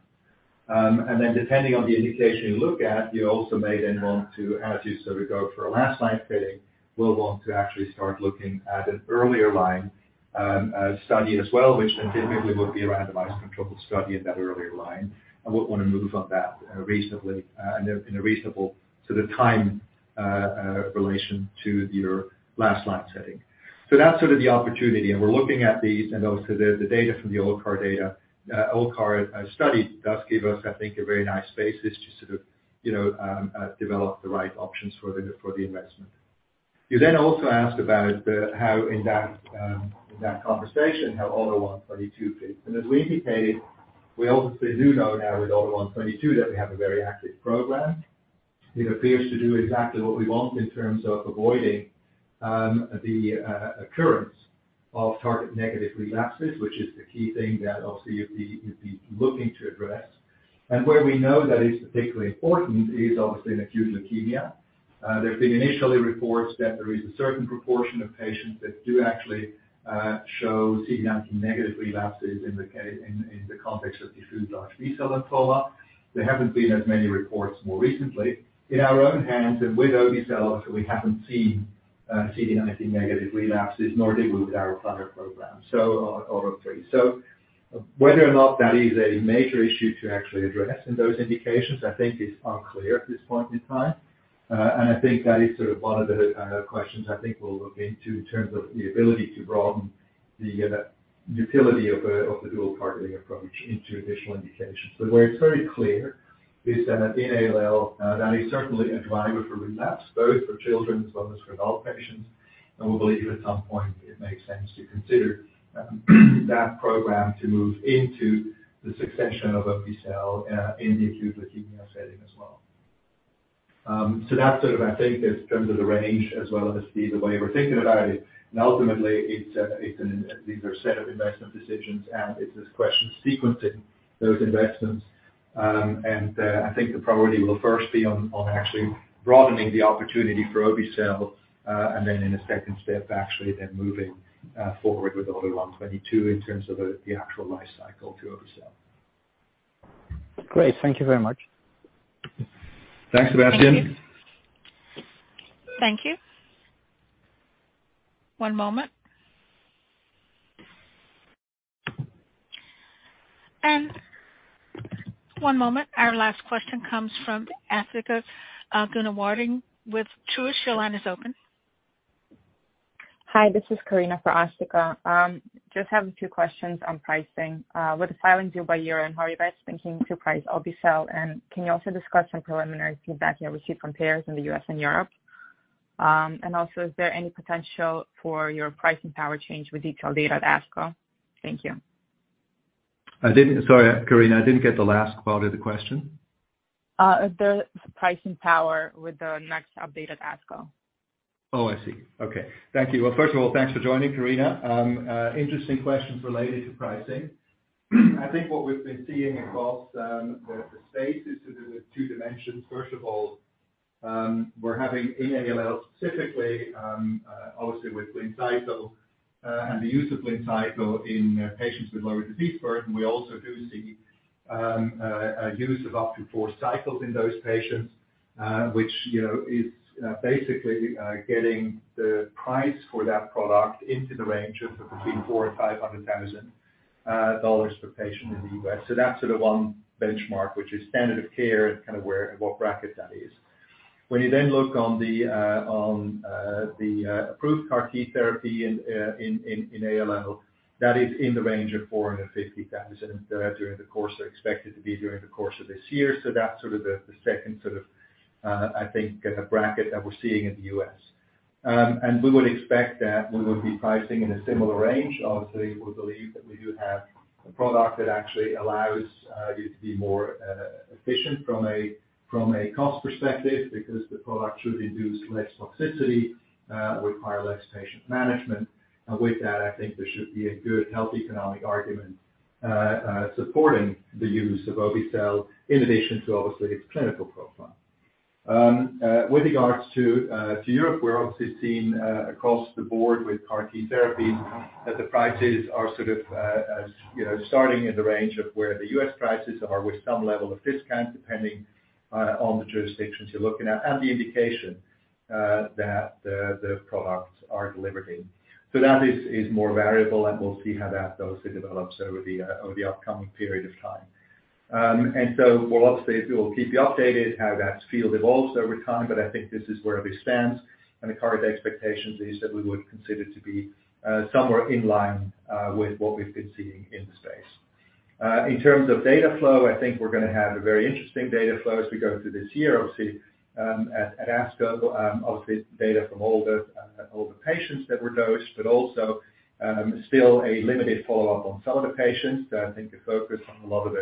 Depending on the indication you look at, you also may then want to, as you sort of go for a last line setting, will want to actually start looking at an earlier line study as well, which then typically would be a randomized controlled study in that earlier line. We'll wanna move on that reasonably in a, in a reasonable sort of time relation to your last line setting. That's sort of the opportunity, and we're looking at these and also the data from the ALLCAR data ALLCAR study does give us, I think, a very nice basis to sort of, you know, develop the right options for the investment. You also asked about how in that conversation, how AUTO1/22 fits. As we indicated, we obviously do know now with AUTO1/22 that we have a very active program. It appears to do exactly what we want in terms of avoiding the occurrence of target-negative relapses, which is the key thing that obviously you'd be looking to address. Where we know that is particularly important is obviously in acute leukemia. There's been initially reports that there is a certain proportion of patients that do actually show CD19 negative relapses in the in the context of diffuse large B-cell lymphoma. There haven't been as many reports more recently. In our own hands and with obe-cel, obviously, we haven't seen CD19 negative relapses, nor did we with our partner program, so AUTO3. Whether or not that is a major issue to actually address in those indications, I think is unclear at this point in time. I think that is sort of one of the questions I think we'll look into in terms of the ability to broaden the utility of the dual targeting approach into additional indications. Where it's very clear is that in ALL, that is certainly a driver for relapse, both for children as well as for adult patients. We believe at some point it makes sense to consider that program to move into the succession of obe-cel in the acute leukemia setting as well. So that's sort of, I think, in terms of the range as well as the way we're thinking about it. Ultimately, these are a set of investment decisions and it's this question of sequencing those investments. I think the priority will first be on actually broadening the opportunity for obe-cel, and then in a 2nd step, actually then moving forward with AUTO1/22 in terms of the actual life cycle to obe-cel. Great. Thank you very much. Thanks, Sebastian. Thank you. One moment. One moment. Our last question comes from Asthika Goonewardene with Truist. Your line is open. Hi, this is Karina for Asthika. Just have a few questions on pricing. With the filing due by year-end, how are you guys thinking to price obe-cel? Can you also discuss some preliminary feedback you have received from payers in the U.S. and Europe? Also is there any potential for your pricing power change with detailed data at ASCO? Thank you. Sorry, Karina, I didn't get the last part of the question.-The pricing power with the next update at ASCO. Oh, I see. Okay. Thank you. First of all, thanks for joining, Karina. Interesting questions related to pricing. I think what we've been seeing across the space is sort of the two dimensions. First of all, we're having in ALL specifically, obviously with Blincyto, and the use of Blincyto in patients with lower disease burden, we also do see a use of up to four cycles in those patients, which, you know, is basically getting the price for that product into the range of between $400,000 and $500,000 per patient in the U.S.. That's sort of one benchmark, which is standard of care and kind of what bracket that is. You then look on the approved CAR- T therapy in AML, that is in the range of $450,000 during the course or expected to be during the course of this year. That's sort of the second sort of I think bracket that we're seeing in the U.S..We would expect that we would be pricing in a similar range. Obviously, we believe that we do have a product that actually allows you to be more efficient from a cost perspective because the product should induce less toxicity, require less patient management. With that, I think there should be a good health economic argument supporting the use of obe-cel in addition to obviously its clinical profile. With regards to Europe, we're obviously seeing across the board with CAR -T therapy that the prices are sort of, as, you know, starting in the range of where the U.S. prices are with some level of discount, depending on the jurisdictions you're looking at and the indication that the products are delivered in. That is more variable, and we'll see how that also develops over the upcoming period of time. We'll obviously we will keep you updated how that field evolves over time, but I think this is where we stand. The current expectation is that we would consider to be somewhere in line with what we've been seeing in the space. In terms of data flow, I think we're gonna have a very interesting data flow as we go through this year, obviously, at ASCO. Obviously data from all the patients that were dosed, but also still a limited follow-up on some of the patients that I think are focused on a lot of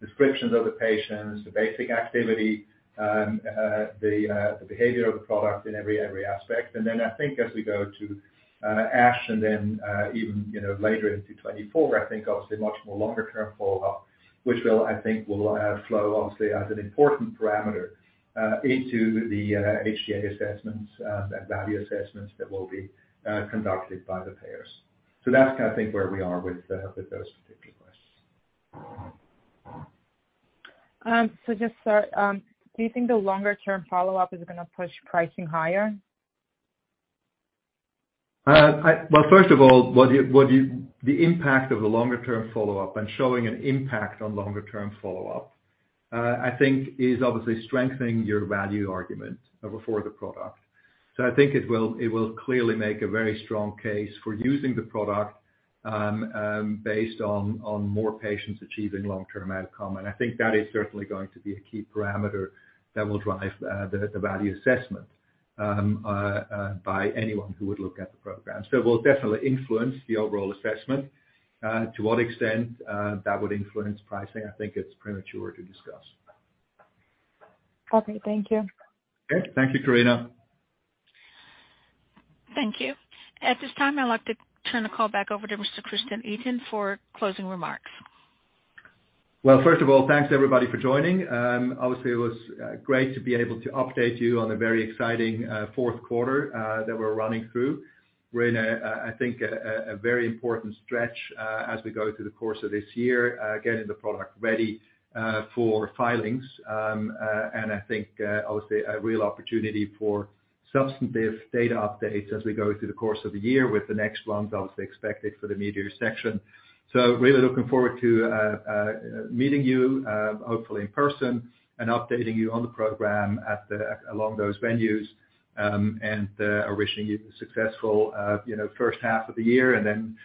the descriptions of the patients, the basic activity, the behavior of the product in every aspect. I think as we go to ASH and then, even, you know, later into 2024, I think obviously much more longer term follow-up, which will, I think will flow obviously as an important parameter into the HTA assessments and value assessments that will be conducted by the payers. That's kinda I think where we are with those particular questions. Just, sir, do you think the longer term follow-up is gonna push pricing higher? Well, first of all, the impact of the longer term follow-up and showing an impact on longer term follow-up, I think is obviously strengthening your value argument for the product. I think it will clearly make a very strong case for using the product, based on more patients achieving long-term outcome. I think that is certainly going to be a key parameter that will drive the value assessment by anyone who would look at the program. It will definitely influence the overall assessment. To what extent that would influence pricing, I think it's premature to discuss. Okay. Thank you. Okay. Thank you, Karina. Thank you. At this time, I'd like to turn the call back over to Mr. Christian Itin for closing remarks. Well, first of all, thanks everybody for joining. Obviously it was great to be able to update you on a very exciting fourth quarter that we're running through. We're in a, I think a very important stretch as we go through the course of this year, getting the product ready for filings. I think obviously a real opportunity for substantive data updates as we go through the course of the year with the next ones obviously expected for the major section. Really looking forward to meeting you hopefully in person and updating you on the program at the... along those venues. Wishing you successful, you know, first half of the year.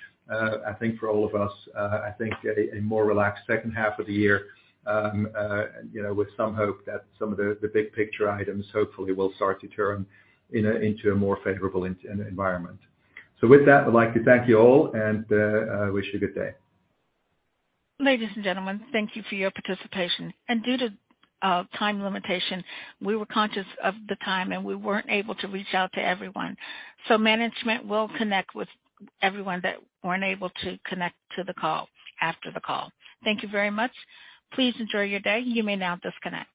I think for all of us, I think a more relaxed second half of the year, you know, with some hope that the big picture items hopefully will start to turn into a more favorable environment. With that, I'd like to thank you all and wish you a good day. Ladies and gentlemen, thank you for your participation. Due to time limitation, we were conscious of the time, and we weren't able to reach out to everyone. Management will connect with everyone that weren't able to connect to the call after the call. Thank you very much. Please enjoy your day. You may now disconnect.